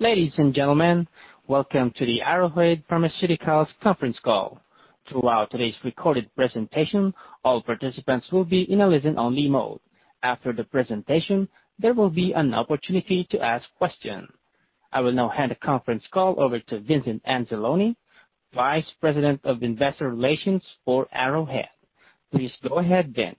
Ladies and gentlemen, welcome to the Arrowhead Pharmaceuticals conference call. Throughout today's recorded presentation, all participants will be in a listen-only mode. After the presentation, there will be an opportunity to ask questions. I will now hand the conference call over to Vincent Anzalone, Vice President of Investor Relations for Arrowhead. Please go ahead, Vince.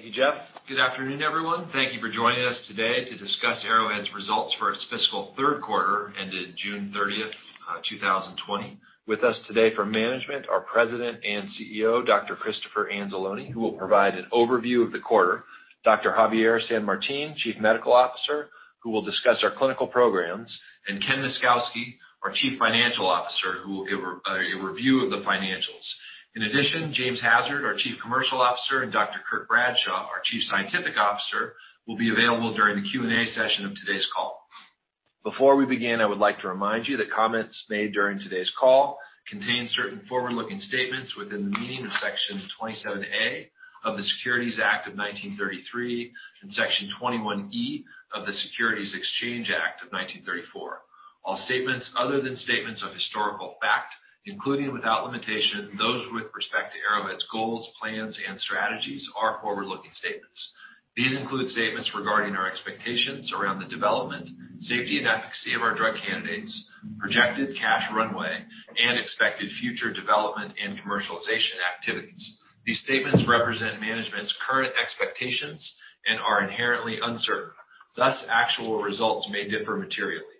Thank you, Jeff. Good afternoon, everyone. Thank you for joining us today to discuss Arrowhead's results for its fiscal third quarter ended June 30, 2020. With us today for management, our President and CEO, Dr. Christopher Anzalone, who will provide an overview of the quarter, Dr. Javier San Martin, Chief Medical Officer, who will discuss our clinical programs, and Ken Myszkowski, our Chief Financial Officer, who will give a review of the financials. In addition, James Hassard, our Chief Commercial Officer, and Dr. James Hamilton, our Chief Scientific Officer, will be available during the Q&A session of today's call. Before we begin, I would like to remind you that comments made during today's call contain certain forward-looking statements within the meaning of Section 27A of the Securities Act of 1933 and Section 21E of the Securities Exchange Act of 1934. All statements other than statements of historical fact, including without limitation those with respect to Arrowhead's goals, plans and strategies, are forward-looking statements. These include statements regarding our expectations around the development, safety, and efficacy of our drug candidates, projected cash runway, and expected future development and commercialization activities. These statements represent management's current expectations and are inherently uncertain. Thus, actual results may differ materially.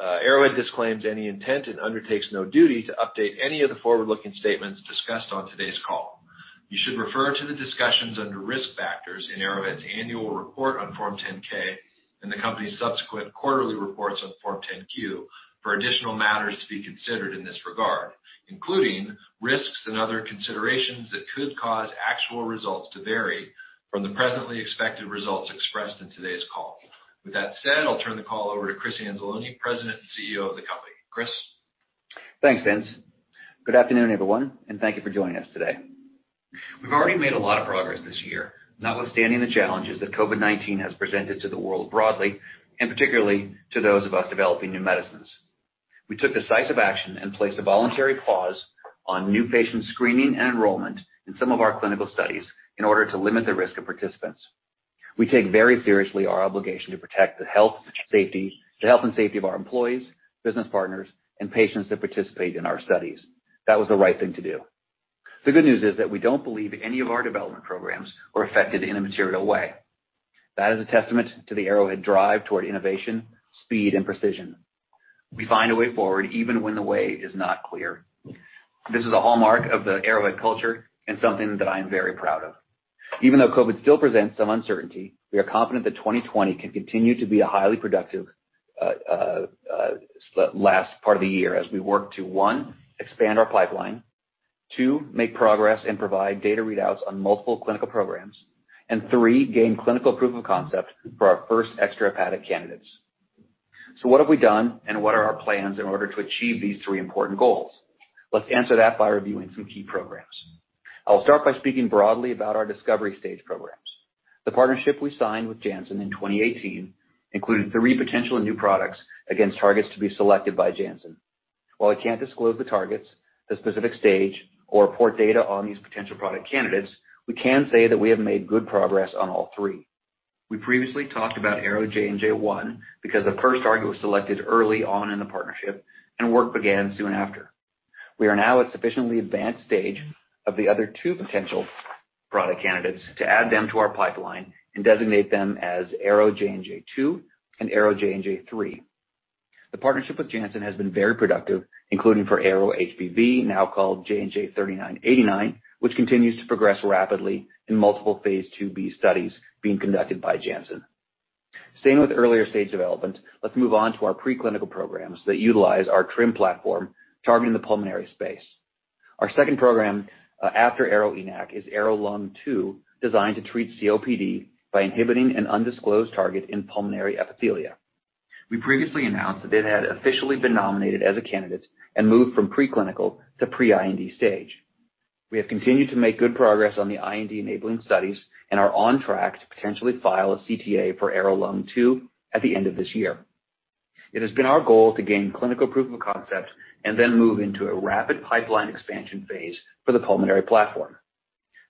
Arrowhead disclaims any intent and undertakes no duty to update any of the forward-looking statements discussed on today's call. You should refer to the discussions under Risk Factors in Arrowhead's annual report on Form 10-K and the company's subsequent quarterly reports on Form 10-Q for additional matters to be considered in this regard, including risks and other considerations that could cause actual results to vary from the presently expected results expressed in today's call. With that said, I'll turn the call over to Chris Anzalone, President and CEO of the company. Chris? Thanks, Vince. Good afternoon, everyone, and thank you for joining us today. We've already made a lot of progress this year, notwithstanding the challenges that COVID-19 has presented to the world broadly, and particularly to those of us developing new medicines. We took decisive action and placed a voluntary pause on new patient screening and enrollment in some of our clinical studies in order to limit the risk of participants. We take very seriously our obligation to protect the health and safety of our employees, business partners, and patients that participate in our studies. That was the right thing to do. The good news is that we don't believe any of our development programs were affected in a material way. That is a testament to the Arrowhead drive toward innovation, speed, and precision. We find a way forward even when the way is not clear. This is a hallmark of the Arrowhead culture and something that I am very proud of. Even though COVID still presents some uncertainty, we are confident that 2020 can continue to be a highly productive last part of the year as we work to, one, expand our pipeline. Two, make progress and provide data readouts on multiple clinical programs. Three, gain clinical proof of concept for our first extrahepatic candidates. What have we done, and what are our plans in order to achieve these three important goals? Let's answer that by reviewing some key programs. I'll start by speaking broadly about our discovery stage programs. The partnership we signed with Janssen in 2018 included three potential new products against targets to be selected by Janssen. While I can't disclose the targets, the specific stage, or report data on these potential product candidates, we can say that we have made good progress on all three. We previously talked about ARO-JNJ-01 because the first target was selected early on in the partnership and work began soon after. We are now at a sufficiently advanced stage of the other two potential product candidates to add them to our pipeline and designate them as ARO-JNJ-02 and ARO-JNJ-03. The partnership with Janssen has been very productive including for ARO-HBV, now called JNJ-3989, which continues to progress rapidly in multiple phase II-B studies being conducted by Janssen. Staying with earlier stage development, let's move on to our preclinical programs that utilize our TRiM platform targeting the pulmonary space. Our second program after ARO-ENaC is ARO-LUNG2, designed to treat COPD by inhibiting an undisclosed target in pulmonary epithelia. We previously announced that it had officially been nominated as a candidate and moved from preclinical to pre-IND stage. We have continued to make good progress on the IND-enabling studies and are on track to potentially file a CTA for ARO-LUNG2 at the end of this year. It has been our goal to gain clinical proof of concept and move into a rapid pipeline expansion phase for the pulmonary platform.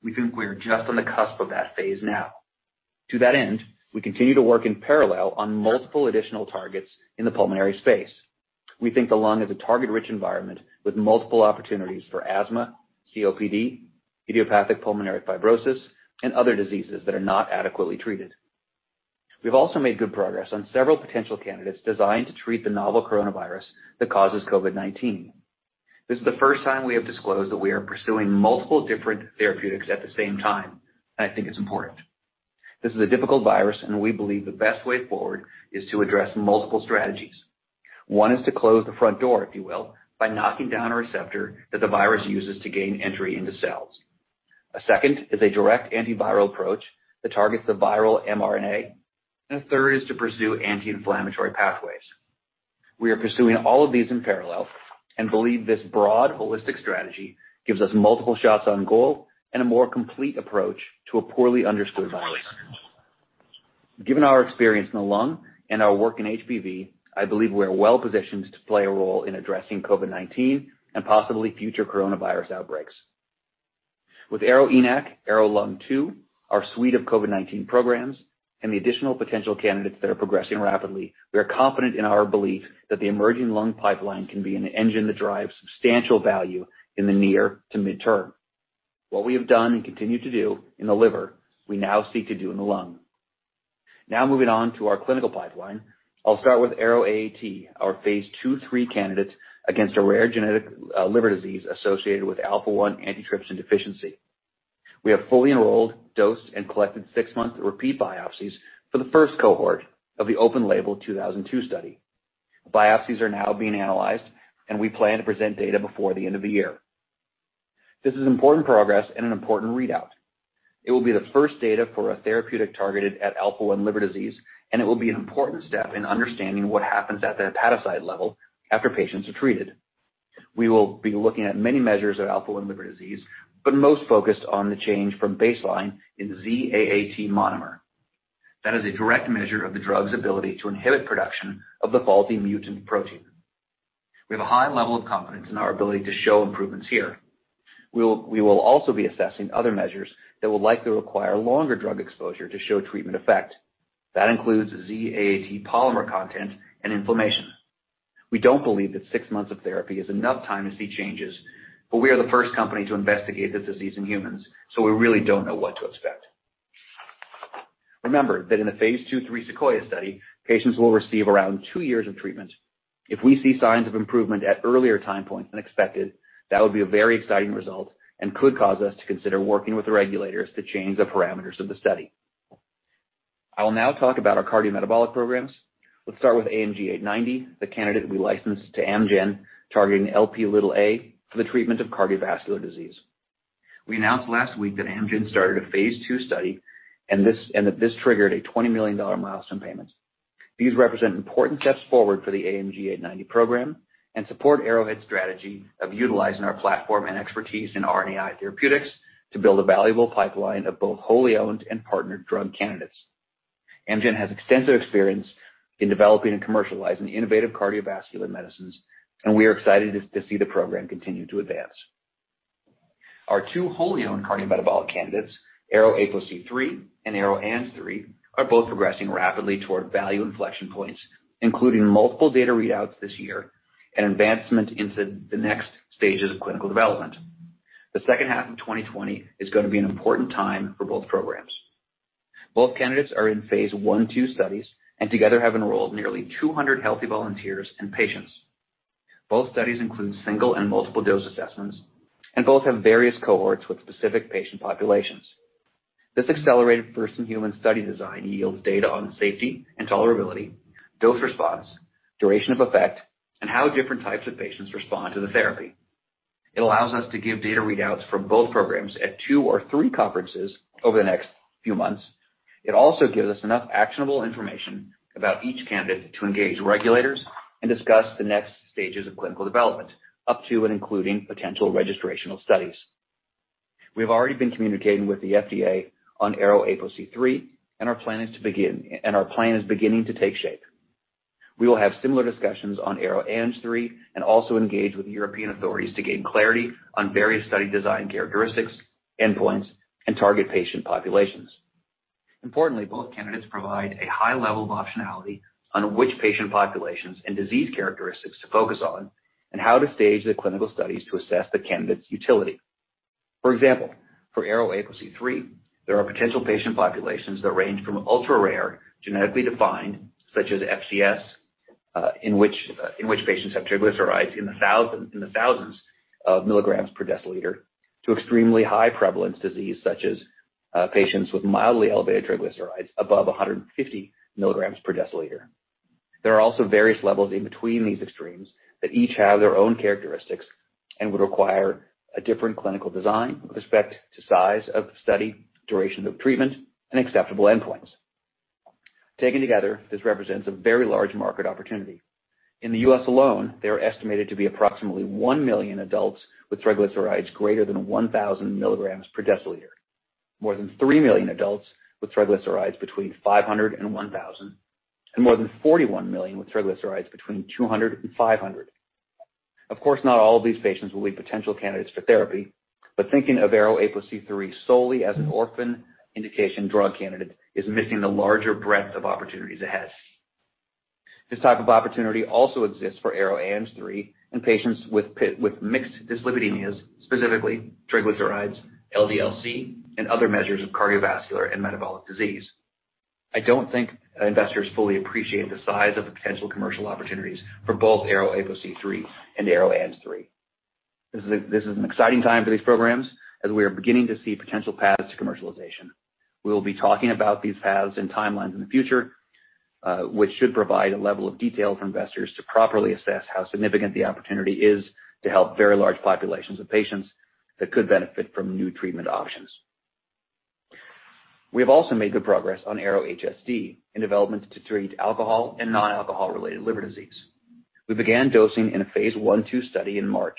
We think we are just on the cusp of that phase now. To that end, we continue to work in parallel on multiple additional targets in the pulmonary space. We think the lung is a target-rich environment with multiple opportunities for asthma, COPD, idiopathic pulmonary fibrosis, and other diseases that are not adequately treated. We've also made good progress on several potential candidates designed to treat the novel coronavirus that causes COVID-19. This is the first time we have disclosed that we are pursuing multiple different therapeutics at the same time, and I think it's important. This is a difficult virus, and we believe the best way forward is to address multiple strategies. One is to close the front door, if you will, by knocking down a receptor that the virus uses to gain entry into cells. A second is a direct antiviral approach that targets the viral mRNA, and a third is to pursue anti-inflammatory pathways. We are pursuing all of these in parallel and believe this broad holistic strategy gives us multiple shots on goal and a more complete approach to a poorly understood virus. Given our experience in the lung and our work in HBV, I believe we're well-positioned to play a role in addressing COVID-19 and possibly future coronavirus outbreaks. With ARO-ENaC, ARO-LUNG2, our suite of COVID-19 programs, and the additional potential candidates that are progressing rapidly, we are confident in our belief that the emerging lung pipeline can be an engine that drives substantial value in the near to midterm. What we have done and continue to do in the liver, we now seek to do in the lung. Moving on to our clinical pipeline. I'll start with ARO-AAT, our phase II/III candidate against a rare genetic liver disease associated with alpha-1 antitrypsin deficiency. We have fully enrolled, dosed, and collected six-month repeat biopsies for the first cohort of the open label 2002 study. Biopsies are now being analyzed, and we plan to present data before the end of the year. This is important progress and an important readout. It will be the first data for a therapeutic targeted at alpha-1 liver disease, and it will be an important step in understanding what happens at the hepatocyte level after patients are treated. We will be looking at many measures of alpha-1 liver disease, but most focused on the change from baseline in Z-AAT monomer. That is a direct measure of the drug's ability to inhibit production of the faulty mutant protein. We have a high level of confidence in our ability to show improvements here. We will also be assessing other measures that will likely require longer drug exposure to show treatment effect. That includes Z-AAT polymer content and inflammation. We don't believe that six months of therapy is enough time to see changes, but we are the first company to investigate this disease in humans, so we really don't know what to expect. Remember that in the phase II/III SEQUOIA study, patients will receive around two years of treatment. If we see signs of improvement at earlier time points than expected, that would be a very exciting result and could cause us to consider working with the regulators to change the parameters of the study. I will now talk about our cardiometabolic programs. Let's start with AMG 890, the candidate we licensed to Amgen targeting Lp(a) for the treatment of cardiovascular disease. We announced last week that Amgen started a phase II study and that this triggered a $20 million milestone payment. These represent important steps forward for the AMG 890 program and support Arrowhead's strategy of utilizing our platform and expertise in RNAi therapeutics to build a valuable pipeline of both wholly owned and partnered drug candidates. Amgen has extensive experience in developing and commercializing innovative cardiovascular medicines. We are excited to see the program continue to advance. Our two wholly owned cardiometabolic candidates, ARO-APOC3 and ARO-ANG3, are both progressing rapidly toward value inflection points, including multiple data readouts this year and advancement into the next stages of clinical development. The second half of 2020 is going to be an important time for both programs. Both candidates are in phase I/II studies and together have enrolled nearly 200 healthy volunteers and patients. Both studies include single and multiple dose assessments. Both have various cohorts with specific patient populations. This accelerated first-in-human study design yields data on safety and tolerability, dose response, duration of effect, and how different types of patients respond to the therapy. It allows us to give data readouts from both programs at two or three conferences over the next few months. It also gives us enough actionable information about each candidate to engage regulators and discuss the next stages of clinical development, up to and including potential registrational studies. We've already been communicating with the FDA on ARO-APOC3, and our plan is beginning to take shape. We will have similar discussions on ARO-ANG3 and also engage with European authorities to gain clarity on various study design characteristics, endpoints, and target patient populations. Importantly, both candidates provide a high level of optionality on which patient populations and disease characteristics to focus on and how to stage the clinical studies to assess the candidate's utility. For example, for ARO-APOC3, there are potential patient populations that range from ultra-rare, genetically defined, such as FCS, in which patients have triglycerides in the thousands of milligrams per deciliter, to extremely high prevalence disease such as patients with mildly elevated triglycerides above 150 milligrams per deciliter. There are also various levels in between these extremes that each have their own characteristics and would require a different clinical design with respect to size of the study, duration of treatment, and acceptable endpoints. Taken together, this represents a very large market opportunity. In the U.S. alone, there are estimated to be approximately one million adults with triglycerides greater than 1,000 milligrams per deciliter. More than three million adults with triglycerides between 500 and 1,000, and more than 41 million with triglycerides between 200 and 500. Of course, not all of these patients will be potential candidates for therapy, but thinking of ARO-APOC3 solely as an orphan indication drug candidate is missing the larger breadth of opportunities it has. This type of opportunity also exists for ARO-ANG3 in patients with mixed dyslipidemias, specifically triglycerides, LDL-C, and other measures of cardiovascular and metabolic disease. I don't think investors fully appreciate the size of the potential commercial opportunities for both ARO-APOC3 and ARO-ANG3. This is an exciting time for these programs as we are beginning to see potential paths to commercialization. We'll be talking about these paths and timelines in the future, which should provide a level of detail for investors to properly assess how significant the opportunity is to help very large populations of patients that could benefit from new treatment options. We have also made good progress on ARO-HSD in developments to treat alcohol-related and non-alcohol related liver disease. We began dosing in a phase I/II study in March.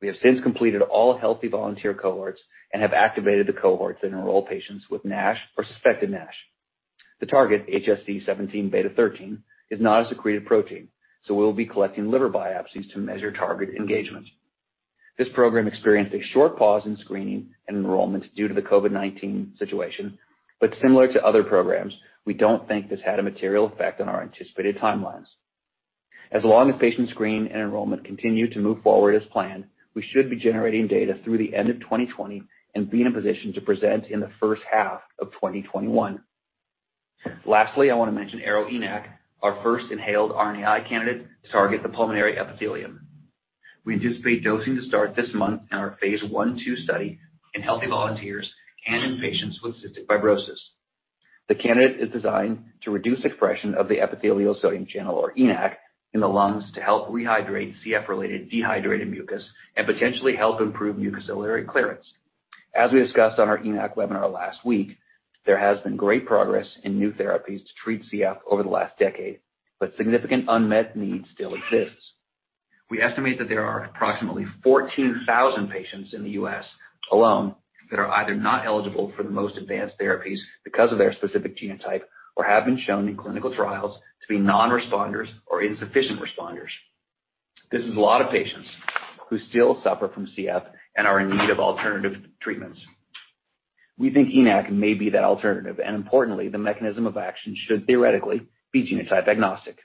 We have since completed all healthy volunteer cohorts and have activated the cohorts in enrolled patients with NASH or suspected NASH. The target, HSD17B13, is not a secreted protein, so we'll be collecting liver biopsies to measure target engagement. This program experienced a short pause in screening and enrollment due to the COVID-19 situation. Similar to other programs, we don't think this had a material effect on our anticipated timelines. As long as patient screen and enrollment continue to move forward as planned, we should be generating data through the end of 2020 and be in a position to present in the first half of 2021. Lastly, I want to mention ARO-ENaC, our first inhaled RNAi candidate to target the pulmonary epithelium. We anticipate dosing to start this month in our phase I/II study in healthy volunteers and in patients with cystic fibrosis. The candidate is designed to reduce expression of the epithelial sodium channel, or ENaC, in the lungs to help rehydrate CF-related dehydrated mucus and potentially help improve mucociliary clearance. As we discussed on our ENaC webinar last week, there has been great progress in new therapies to treat CF over the last decade, significant unmet needs still exist. We estimate that there are approximately 14,000 patients in the U.S. alone that are either not eligible for the most advanced therapies because of their specific genotype or have been shown in clinical trials to be non-responders or insufficient responders. This is a lot of patients who still suffer from CF and are in need of alternative treatments. We think ENaC may be that alternative, importantly, the mechanism of action should theoretically be genotype agnostic.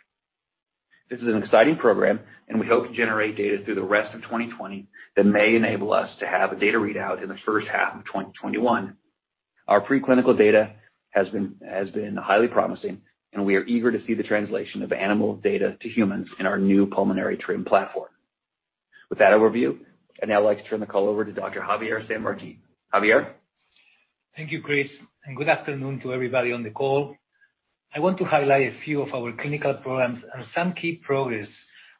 This is an exciting program, we hope to generate data through the rest of 2020 that may enable us to have a data readout in the first half of 2021. Our pre-clinical data has been highly promising, and we are eager to see the translation of animal data to humans in our new pulmonary treatment platform. With that overview, I'd now like to turn the call over to Dr. Javier San Martin. Javier? Thank you, Chris. Good afternoon to everybody on the call. I want to highlight a few of our clinical programs and some key progress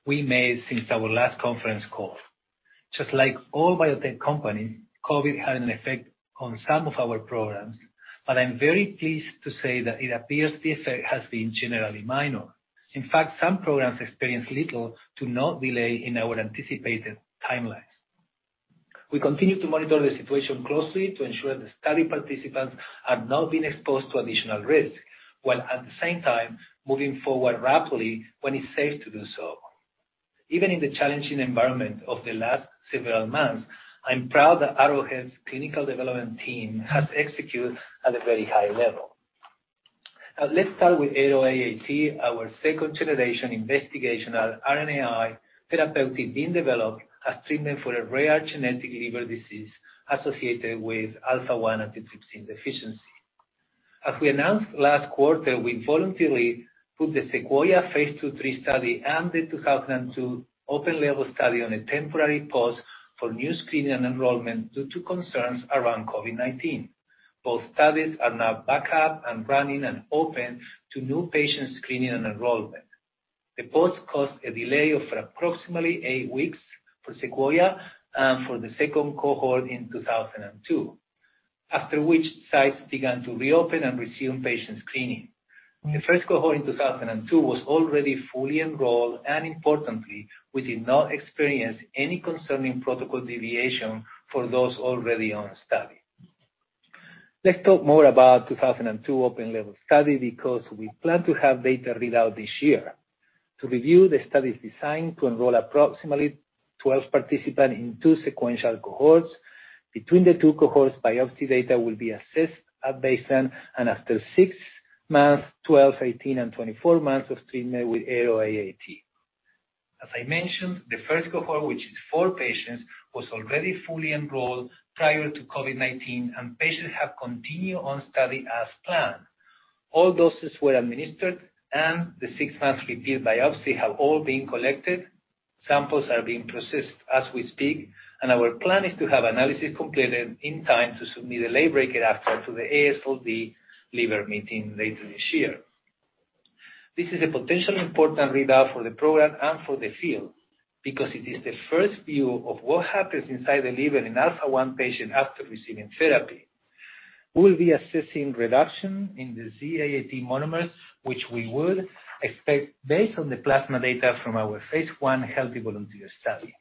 we made since our last conference call. Just like all biotech companies, COVID had an effect on some of our programs, but I'm very pleased to say that it appears the effect has been generally minor. In fact, some programs experienced little to no delay in our anticipated timelines. We continue to monitor the situation closely to ensure the study participants are not being exposed to additional risk, while at the same time moving forward rapidly when it's safe to do so. Even in the challenging environment of the last several months, I'm proud that Arrowhead's clinical development team has executed at a very high level. Let's start with ARO-AAT, our second-generation investigational RNAi therapeutic being developed as treatment for a rare genetic liver disease associated with alpha-one antitrypsin deficiency. As we announced last quarter, we voluntarily put the SEQUOIA phase II/III study and the 2002 open-label study on a temporary pause for new screening and enrollment due to concerns around COVID-19. Both studies are now back up and running and open to new patient screening and enrollment. The pause caused a delay of approximately eight weeks for SEQUOIA and for the second cohort in 2002, after which sites began to reopen and resume patient screening. The first cohort in 2002 was already fully enrolled, and importantly, we did not experience any concerning protocol deviation for those already on the study. Let's talk more about 2002 open-label study because we plan to have data readout this year. To review, the study is designed to enroll approximately 12 participants in two sequential cohorts. Between the two cohorts, biopsy data will be assessed at baseline and after six months, 12, 18, and 24 months of treatment with ARO-AAT. As I mentioned, the first cohort, which is four patients, was already fully enrolled prior to COVID-19, patients have continued on study as planned. All doses were administered, the six-month repeat biopsy have all been collected. Samples are being processed as we speak, our plan is to have analysis completed in time to submit a late breaker abstract to the AASLD Liver Meeting later this year. This is a potentially important readout for the program and for the field because it is the first view of what happens inside the liver in alpha-one patient after receiving therapy. We will be assessing reduction in the Z-AAT monomers, which we would expect based on the plasma data from our phase I healthy volunteer study.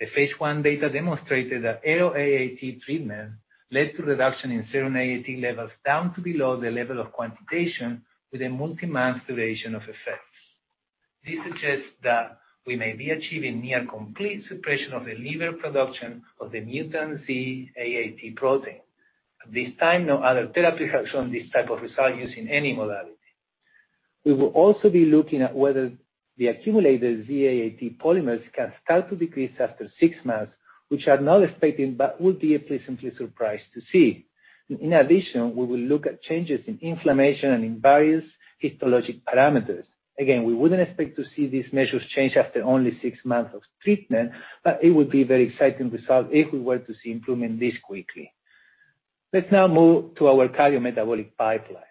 The phase I data demonstrated that ARO-AAT treatment led to reduction in serum AAT levels down to below the level of quantitation with a multi-month duration of effects. This suggests that we may be achieving near complete suppression of the liver production of the mutant Z-AAT protein. At this time, no other therapy has shown this type of result using any modality. We will also be looking at whether the accumulated Z-AAT polymers can start to decrease after six months, which are not expected but would be a pleasant surprise to see. In addition, we will look at changes in inflammation and in various histologic parameters. Again, we wouldn't expect to see these measures change after only six months of treatment, but it would be very exciting result if we were to see improvement this quickly. Let's now move to our cardiometabolic pipeline.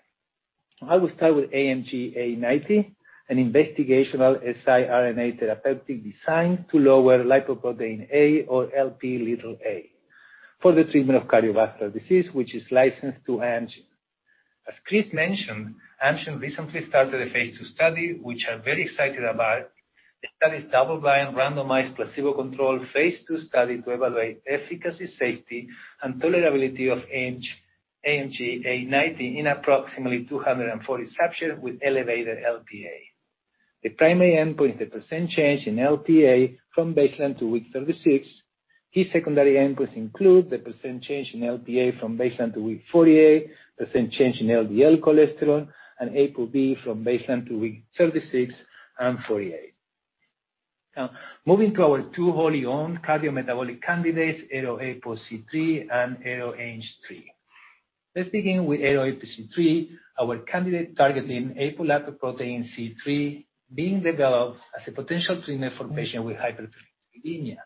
I will start with AMG 890, an investigational siRNA therapeutic designed to lower lipoprotein(a) or Lp(a) for the treatment of cardiovascular disease, which is licensed to Amgen. As Chris mentioned, Amgen recently started a phase II study, which I'm very excited about. The study is double-blind, randomized, placebo-controlled phase II study to evaluate efficacy, safety, and tolerability of AMG 890 in approximately 240 subjects with elevated Lp(a). The primary endpoint is the % change in Lp(a) from baseline to week 36. Key secondary endpoints include the % change in Lp(a) from baseline to week 48, % change in LDL cholesterol, and ApoB from baseline to week 36 and 48. Moving to our two wholly-owned cardiometabolic candidates, ARO-APOC3 and ARO-ANG3. Let's begin with ARO-APOC3, our candidate targeting apolipoprotein C-III, being developed as a potential treatment for patients with hypertriglyceridemia.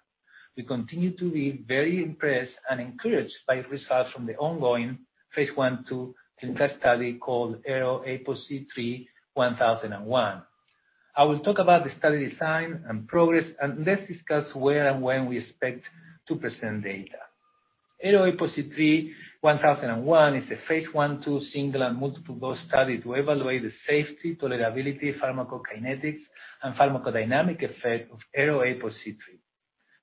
We continue to be very impressed and encouraged by results from the ongoing phase I/II clinical study called AROAPOC31001. I will talk about the study design and progress, let's discuss where and when we expect to present data. AROAPOC31001 is a phase I/II single and multiple dose study to evaluate the safety, tolerability, pharmacokinetics, and pharmacodynamic effect of ARO-APOC3.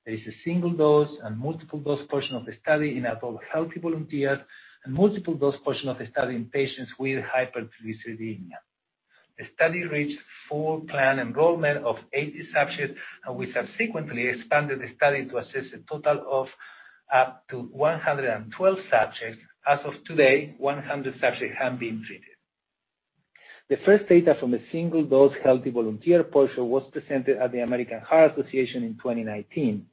There is a single dose and multiple dose portion of the study in adult healthy volunteers and multiple dose portion of the study in patients with hypertriglyceridemia. The study reached full plan enrollment of 80 subjects, and we subsequently expanded the study to assess a total of up to 112 subjects. As of today, 100 subjects have been treated. The first data from the single-dose healthy volunteer portion was presented at the American Heart Association in 2019.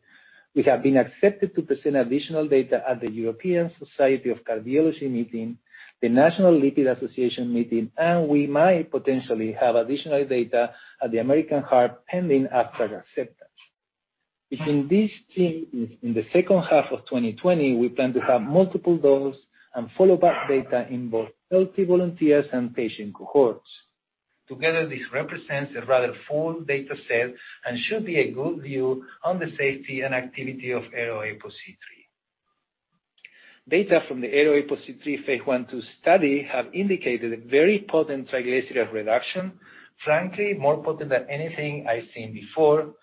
We have been accepted to present additional data at the European Society of Cardiology meeting, the National Lipid Association meeting, and we might potentially have additional data at the American Heart pending abstract acceptance. Between this team in the second half of 2020, we plan to have multiple dose and follow-up data in both healthy volunteers and patient cohorts. Together, this represents a rather full data set and should be a good view on the safety and activity of ARO-APOC3. Data from the ARO-APOC3 phase I/II study have indicated a very potent triglyceride reduction, frankly, more potent than anything I've seen before.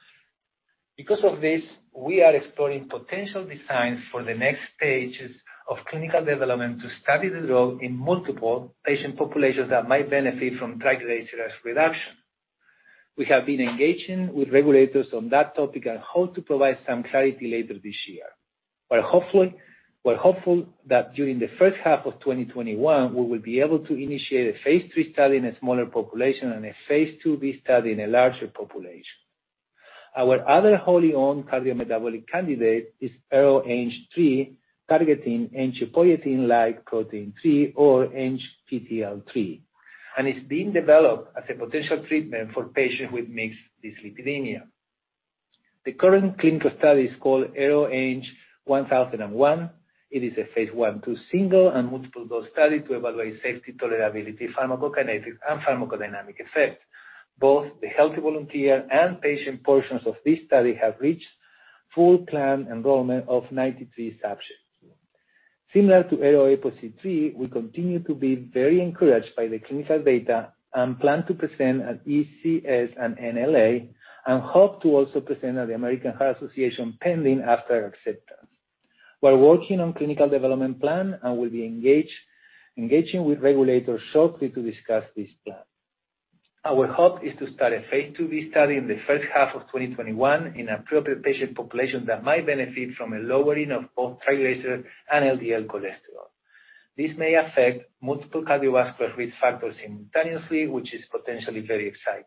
We are exploring potential designs for the next stages of clinical development to study the role in multiple patient populations that might benefit from triglyceride reduction. We have been engaging with regulators on that topic and hope to provide some clarity later this year. We're hopeful that during the first half of 2021, we will be able to initiate a phase III study in a smaller population and a phase II-B study in a larger population. Our other wholly-owned cardiometabolic candidate is ARO-ANG3, targeting angiopoietin-like protein three or ANGPTL3, it's being developed as a potential treatment for patients with mixed dyslipidemia. The current clinical study is called AROANG1001. It is a phase I/II single and multiple-dose study to evaluate safety, tolerability, pharmacokinetics, and pharmacodynamic effect. Both the healthy volunteer and patient portions of this study have reached full plan enrollment of 93 subjects. Similar to ARO-APOC3, we continue to be very encouraged by the clinical data and plan to present at ECS and NLA, and hope to also present at the American Heart Association pending abstract acceptance. We're working on clinical development plan and will be engaging with regulators shortly to discuss this plan. Our hope is to start a phase II study in the first half of 2021 in appropriate patient population that might benefit from a lowering of both triglycerides and LDL cholesterol. This may affect multiple cardiovascular risk factors simultaneously, which is potentially very exciting.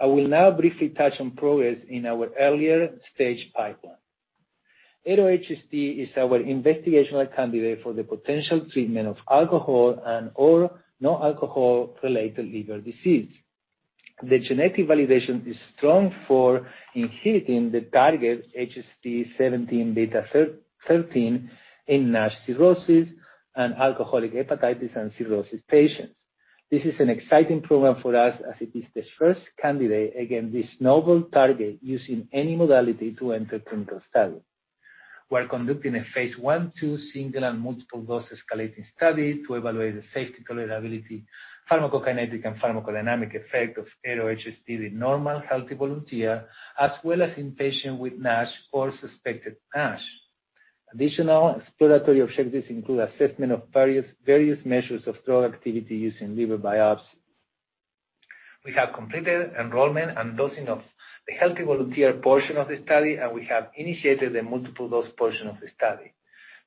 I will now briefly touch on progress in our earlier stage pipeline. ARO-HSD is our investigational candidate for the potential treatment of alcohol and/or non-alcohol related liver disease. The genetic validation is strong for inhibiting the target HSD17B13 in NASH cirrhosis and alcoholic hepatitis and cirrhosis patients. This is an exciting program for us as it is the first candidate against this novel target using any modality to enter clinical study. We're conducting a phase I/II single- and multiple-dose escalating study to evaluate the safety, tolerability, pharmacokinetic, and pharmacodynamic effect of ARO-HSD in normal healthy volunteer, as well as in patients with NASH or suspected NASH. Additional exploratory objectives include assessment of various measures of drug activity using liver biopsy. We have completed enrollment and dosing of the healthy volunteer portion of the study. We have initiated the multiple-dose portion of the study.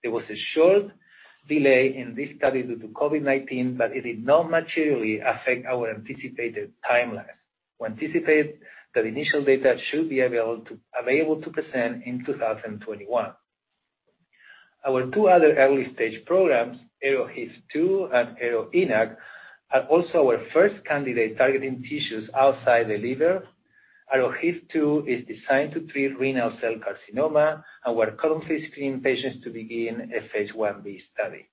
There was a short delay in this study due to COVID-19. It did not materially affect our anticipated timeline. We anticipate that initial data should be available to present in 2021. Our two other early-stage programs, ARO-HIF2 and ARO-ENaC, are also our first candidate targeting tissues outside the liver. ARO-HIF2 is designed to treat renal cell carcinoma. We're currently screening patients to begin a phase I-B study.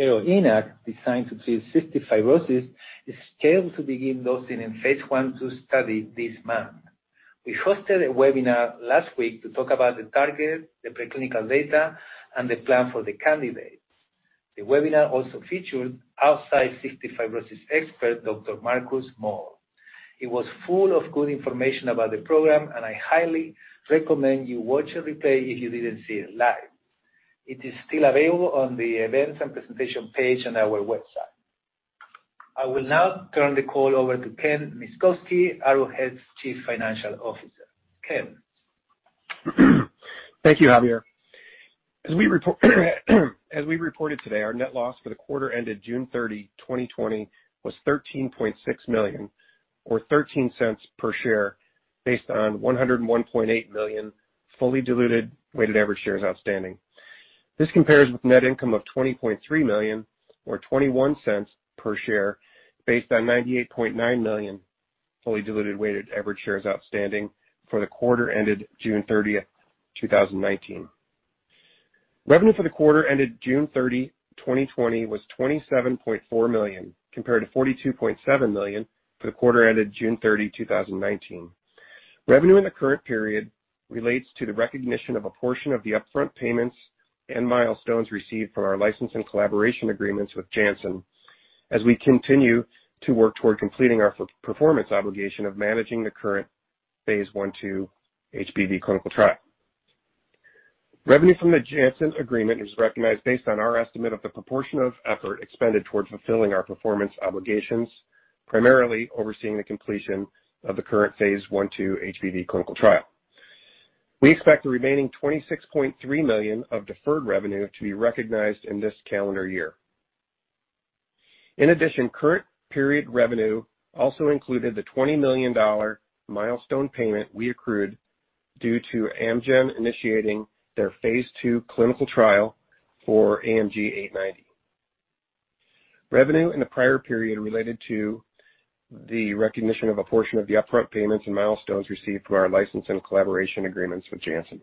ARO-ENaC, designed to treat cystic fibrosis, is scheduled to begin dosing in phase I/II study this month. We hosted a webinar last week to talk about the target, the preclinical data, and the plan for the candidate. The webinar also featured outside cystic fibrosis expert, Dr. Marcus Mall. It was full of good information about the program. I highly recommend you watch a replay if you didn't see it live. It is still available on the Events and Presentation page on our website. I will now turn the call over to Ken Myszkowski, Arrowhead's Chief Financial Officer. Ken? Thank you, Javier. As we reported today, our net loss for the quarter ended June 30, 2020, was $13.6 million or $0.13 per share based on 101.8 million fully diluted weighted average shares outstanding. This compares with net income of $20.3 million or $0.21 per share based on 98.9 million fully diluted weighted average shares outstanding for the quarter ended June 30th, 2019. Revenue for the quarter ended June 30, 2020, was $27.4 million, compared to $42.7 million for the quarter ended June 30, 2019. Revenue in the current period relates to the recognition of a portion of the upfront payments and milestones received from our license and collaboration agreements with Janssen, as we continue to work toward completing our performance obligation of managing the current phase I/II HBV clinical trial. Revenue from the Janssen agreement is recognized based on our estimate of the proportion of effort expended towards fulfilling our performance obligations, primarily overseeing the completion of the current phase I/II HBV clinical trial. We expect the remaining $26.3 million of deferred revenue to be recognized in this calendar year. In addition, current period revenue also included the $20 million milestone payment we accrued due to Amgen initiating their phase II clinical trial for AMG 890. Revenue in the prior period related to the recognition of a portion of the upfront payments and milestones received from our license and collaboration agreements with Janssen.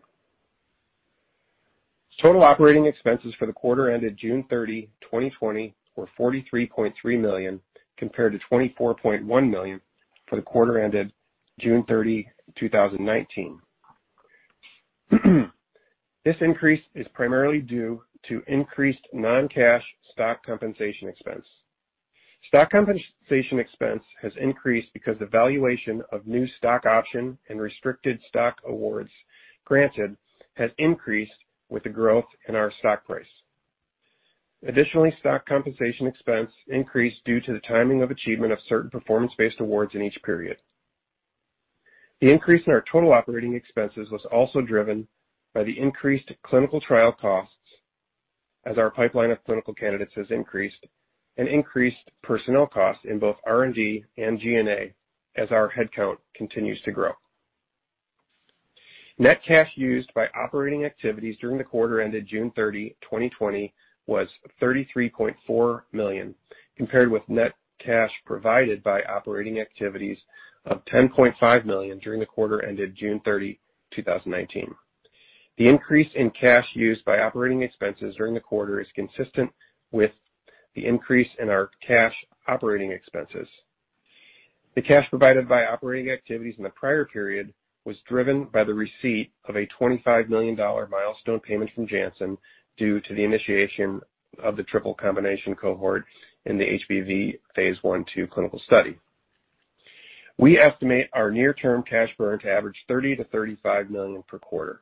Total operating expenses for the quarter ended June 30, 2020, were $43.3 million, compared to $24.1 million for the quarter ended June 30, 2019. This increase is primarily due to increased non-cash stock compensation expense. Stock compensation expense has increased because the valuation of new stock option and restricted stock awards granted has increased with the growth in our stock price. Additionally, stock compensation expense increased due to the timing of achievement of certain performance-based awards in each period. The increase in our total operating expenses was also driven by the increased clinical trial costs as our pipeline of clinical candidates has increased and increased personnel costs in both R&D and G&A as our head count continues to grow. Net cash used by operating activities during the quarter ended June 30, 2020, was $33.4 million, compared with net cash provided by operating activities of $10.5 million during the quarter ended June 30, 2019. The increase in cash used by operating expenses during the quarter is consistent with the increase in our cash operating expenses. The cash provided by operating activities in the prior period was driven by the receipt of a $25 million milestone payment from Janssen due to the initiation of the triple combination cohort in the HBV phase I/II clinical study. We estimate our near-term cash burn to average $30 million-$35 million per quarter.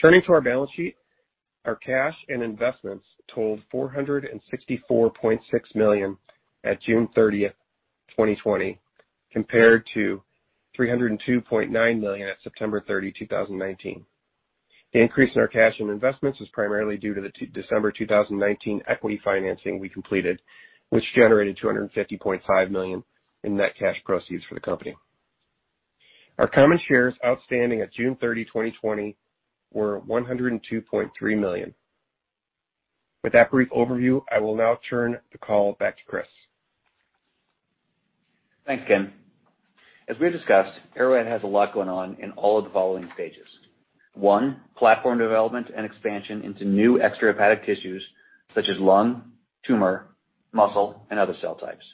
Turning to our balance sheet, our cash and investments totaled $464.6 million at June 30, 2020, compared to $302.9 million at September 30, 2019. The increase in our cash and investments was primarily due to the December 2019 equity financing we completed, which generated $250.5 million in net cash proceeds for the company. Our common shares outstanding at June 30, 2020, were 102.3 million. With that brief overview, I will now turn the call back to Chris. Thanks, Ken. As we have discussed, Arrowhead has a lot going on in all of the following stages. One, platform development and expansion into new extrahepatic tissues such as lung, tumor, muscle, and other cell types.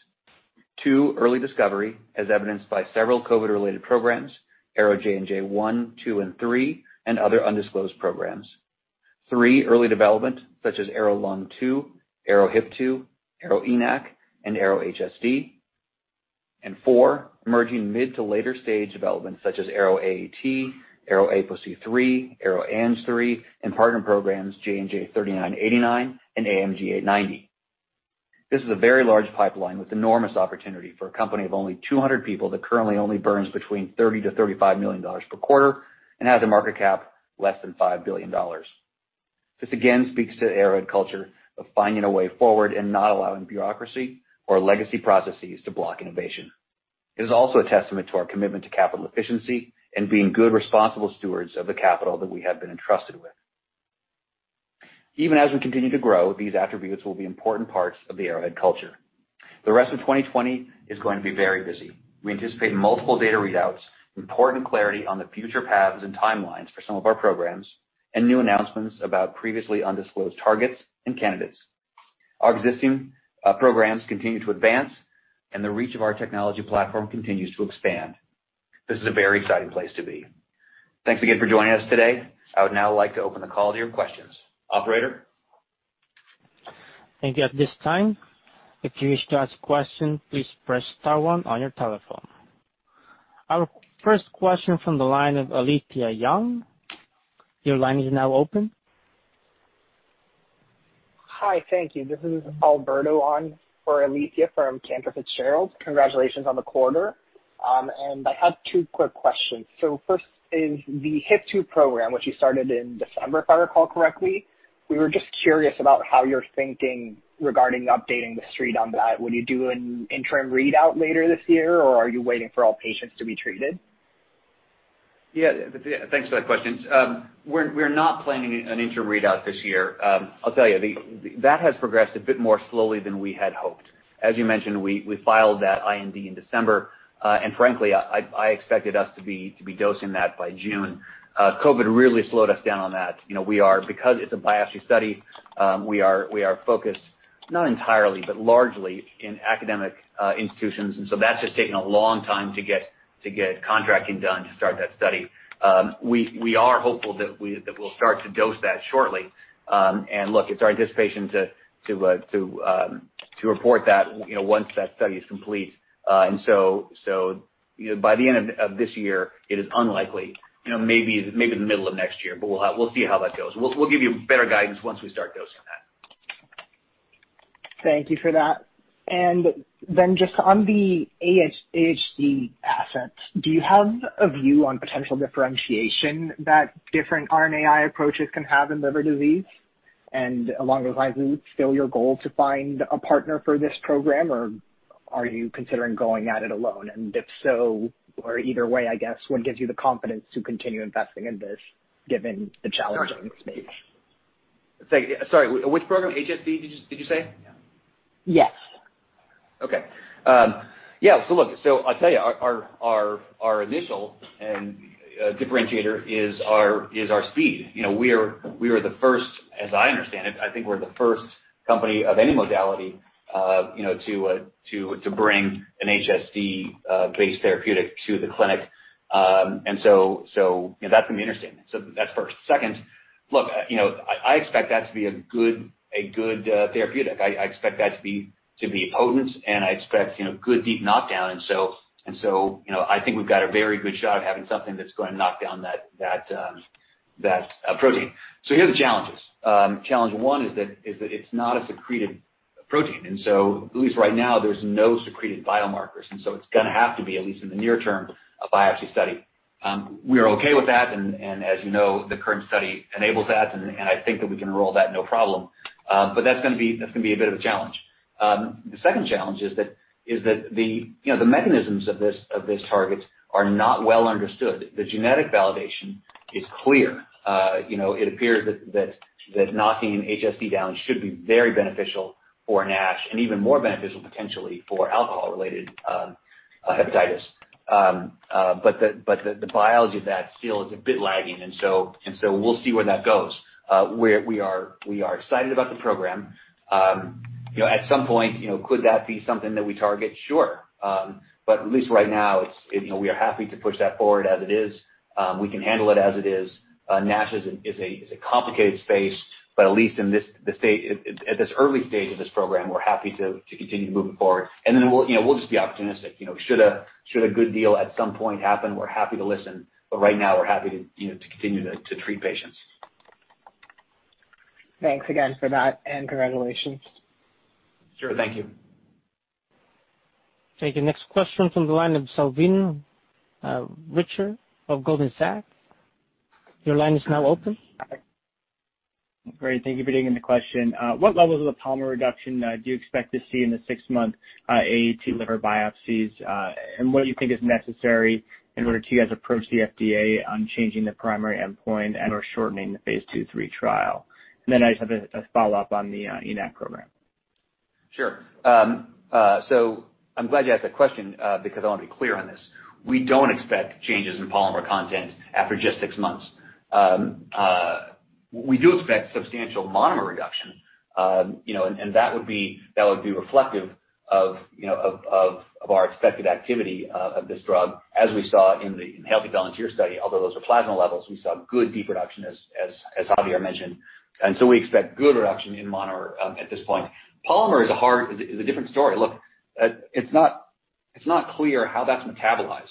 Two, early discovery as evidenced by several COVID-related programs, ARO-JNJ-1, 2, and 3, and other undisclosed programs. Three, early development such as ARO-LUNG2, ARO-HIF2, ARO-ENaC, and ARO-HSD. Four, emerging mid to later-stage development such as ARO-AAT, ARO-APOC3, ARO-ANG3, and partner programs JNJ-3989 and AMG 890. This is a very large pipeline with enormous opportunity for a company of only 200 people that currently only burns between $30 million-$35 million per quarter and has a market cap less than $5 billion. This again speaks to Arrowhead culture of finding a way forward and not allowing bureaucracy or legacy processes to block innovation. It is also a testament to our commitment to capital efficiency and being good, responsible stewards of the capital that we have been entrusted with. Even as we continue to grow, these attributes will be important parts of the Arrowhead culture. The rest of 2020 is going to be very busy. We anticipate multiple data readouts, important clarity on the future paths and timelines for some of our programs, and new announcements about previously undisclosed targets and candidates. Our existing programs continue to advance, and the reach of our technology platform continues to expand. This is a very exciting place to be. Thanks again for joining us today. I would now like to open the call to your questions. Operator? Thank you. At this time, if you wish to ask a question, please press star one on your telephone. Our first question from the line of Alethia Young. Your line is now open. Hi, thank you. This is Alberto on for Alethia from Cantor Fitzgerald. Congratulations on the quarter. I had two quick questions. First is the ARO-HIF2 program, which you started in December, if I recall correctly. We were just curious about how you're thinking regarding updating the street on that. Will you do an interim readout later this year, or are you waiting for all patients to be treated? Thanks for that question. We're not planning an interim readout this year. I'll tell you, that has progressed a bit more slowly than we had hoped. As you mentioned, we filed that IND in December, frankly, I expected us to be dosing that by June. COVID really slowed us down on that. Because it's a biopsy study, we are focused, not entirely, but largely in academic institutions, that's just taken a long time to get contracting done to start that study. We are hopeful that we'll start to dose that shortly. Look, it's our anticipation to report that once that study is complete. By the end of this year, it is unlikely. Maybe the middle of next year, we'll see how that goes. We'll give you better guidance once we start dosing that. Thank you for that. Then just on the AHC asset, do you have a view on potential differentiation that different RNAi approaches can have in liver disease? Along those lines, is it still your goal to find a partner for this program, or are you considering going at it alone? If so, or either way, I guess, what gives you the confidence to continue investing in this given the challenging space? Sorry, which program? HSD, did you say? Yes. Okay. Yeah. Look, I'll tell you, our initial differentiator is our speed. As I understand it, I think we're the first company of any modality to bring an HSD-based therapeutic to the clinic. That's going to be interesting. That's first. Second, look, I expect that to be a good therapeutic. I expect that to be potent, and I expect good deep knockdown. I think we've got a very good shot at having something that's going to knock down that protein. Here are the challenges. Challenge one is that it's not a secreted protein, and so at least right now, there's no secreted biomarkers, and so it's going to have to be, at least in the near term, a biopsy study. We are okay with that. As you know, the current study enables that. I think that we can roll that, no problem. That's going to be a bit of a challenge. The second challenge is that the mechanisms of this target are not well understood. The genetic validation is clear. It appears that knocking HSD down should be very beneficial for NASH, even more beneficial potentially for alcohol-related hepatitis. The biology of that still is a bit lagging, we'll see where that goes. We are excited about the program. At some point, could that be something that we target? Sure. At least right now, we are happy to push that forward as it is. We can handle it as it is. NASH is a complicated space, at least at this early stage of this program, we're happy to continue moving forward. We'll just be optimistic. Should a good deal at some point happen, we're happy to listen, but right now we're happy to continue to treat patients. Thanks again for that, and congratulations. Sure. Thank you. Taking next question from the line of Salveen Richter of Goldman Sachs. Your line is now open. Great. Thank you for taking the question. What levels of the polymer reduction do you expect to see in the six-month AAT liver biopsies? What do you think is necessary in order to you guys approach the FDA on changing the primary endpoint and/or shortening the phase II, III trial? I just have a follow-up on the ENaC program. Sure. I'm glad you asked that question because I want to be clear on this. We don't expect changes in polymer content after just six months. We do expect substantial monomer reduction, and that would be reflective of our expected activity of this drug, as we saw in the healthy volunteer study. Although those are plasma levels, we saw good deep reduction, as Javier mentioned. We expect good reduction in monomer at this point. Polymer is a different story. Look, it's not clear how that's metabolized.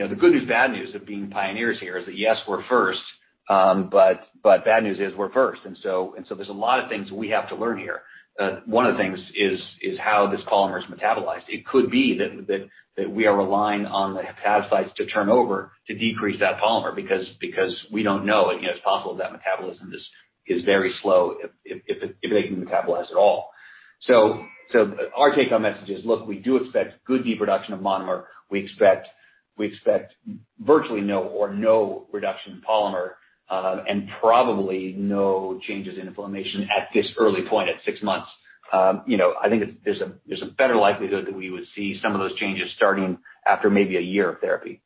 The good news, bad news of being pioneers here is that, yes, we're first, but bad news is we're first, and so there's a lot of things we have to learn here. One of the things is how this polymer is metabolized. It could be that we are relying on the hepatocytes to turn over to decrease that polymer because we don't know. It's possible that metabolism is very slow if they can metabolize at all. Our take home message is, look, we do expect good deep reduction of monomer. We expect virtually no reduction in polymer, and probably no changes in inflammation at this early point at six months. I think there's a better likelihood that we would see some of those changes starting after maybe a year of therapy.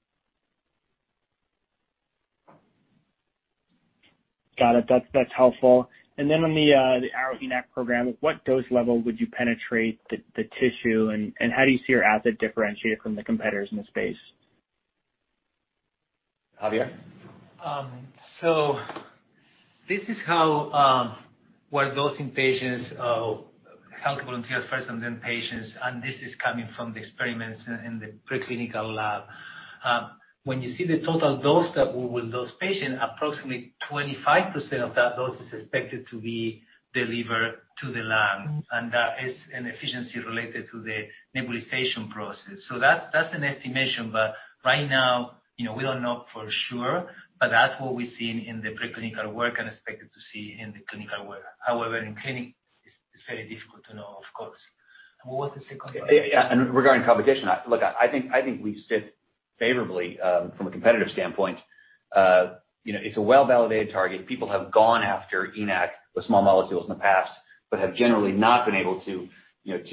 Got it. That's helpful. On the ARO-ENaC program, what dose level would you penetrate the tissue and how do you see your asset differentiated from the competitors in the space? Javier? This is how we're dosing patients, health volunteers first and then patients. This is coming from the experiments in the preclinical lab. When you see the total dose that we will dose patient, approximately 25% of that dose is expected to be delivered to the lung. That is an efficiency related to the nebulization process. That's an estimation. Right now, we don't know for sure, but that's what we've seen in the preclinical work and expected to see in the clinical work. However, in clinic, it's very difficult to know, of course. What was the second part? Yeah. Regarding competition, look, I think we sit favorably, from a competitive standpoint. It's a well-validated target. People have gone after ENaC with small molecules in the past, but have generally not been able to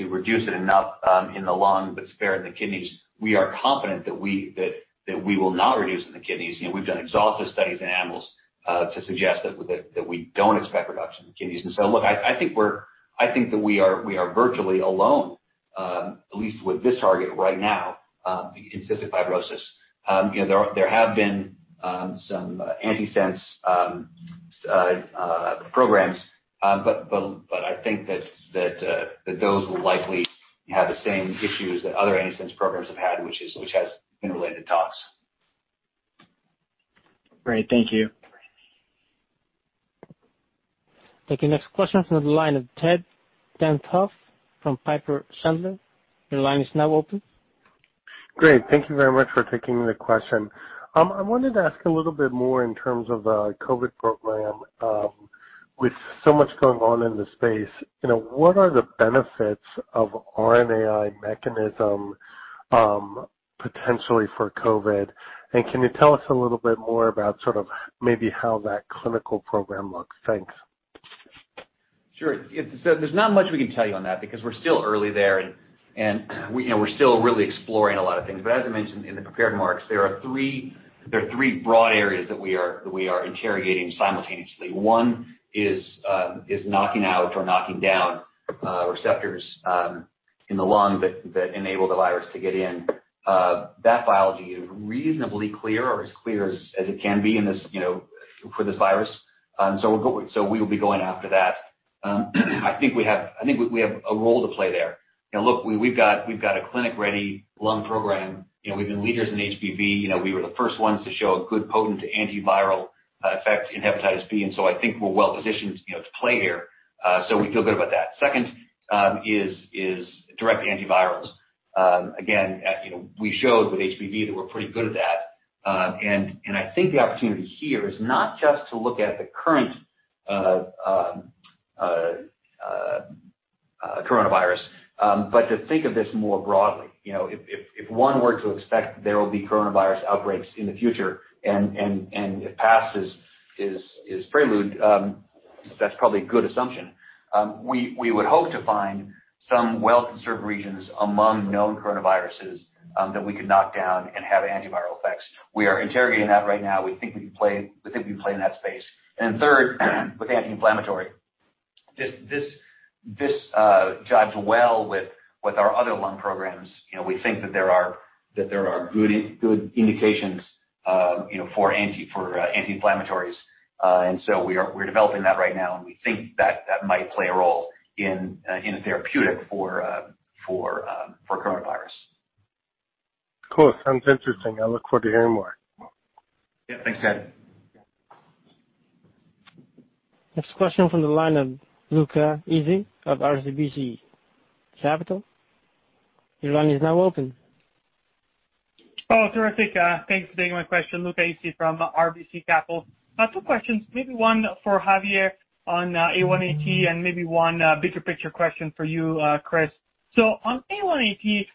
reduce it enough in the lung, but spare in the kidneys. We are confident that we will not reduce in the kidneys. We've done exhaustive studies in animals to suggest that we don't expect reduction in the kidneys. Look, I think that we are virtually alone, at least with this target right now, in cystic fibrosis. There have been some antisense programs, but I think that those will likely have the same issues that other antisense programs have had, which has been related to tox. Great. Thank you. Take your next question from the line of Ted Tenthoff from Piper Sandler. Your line is now open. Great. Thank you very much for taking the question. I wanted to ask a little bit more in terms of the COVID program. With so much going on in the space, what are the benefits of RNAi mechanism potentially for COVID, and can you tell us a little bit more about sort of maybe how that clinical program looks? Thanks. Sure. There's not much we can tell you on that because we're still early there and we're still really exploring a lot of things. As I mentioned in the prepared remarks, there are 3 broad areas that we are interrogating simultaneously. One is knocking out or knocking down receptors in the lung that enable the virus to get in. That biology is reasonably clear or as clear as it can be for this virus. We will be going after that. I think we have a role to play there. Look, we've got a clinic-ready lung program. We've been leaders in HBV. We were the first ones to show a good potent antiviral effect in hepatitis B, and so I think we're well-positioned to play here. We feel good about that. Second is direct antivirals. Again, we showed with HBV that we're pretty good at that. I think the opportunity here is not just to look at the current coronavirus, but to think of this more broadly. If one were to expect there will be coronavirus outbreaks in the future and the past is prelude, that's probably a good assumption. We would hope to find some well-conserved regions among known coronaviruses that we could knock down and have antiviral effects. We are interrogating that right now. We think we can play in that space. Third, with anti-inflammatory. This jives well with our other lung programs. We think that there are good indications for anti-inflammatories. We're developing that right now, and we think that might play a role in a therapeutic for coronavirus. Cool. Sounds interesting. I look forward to hearing more. Yeah. Thanks, Ted. Next question from the line of Luca Issi of RBC Capital. Your line is now open. Oh, terrific. Thanks for taking my question. Luca Issi from RBC Capital. two questions, maybe one for Javier on A1AT and maybe one bigger picture question for you, Chris. On A1AT, it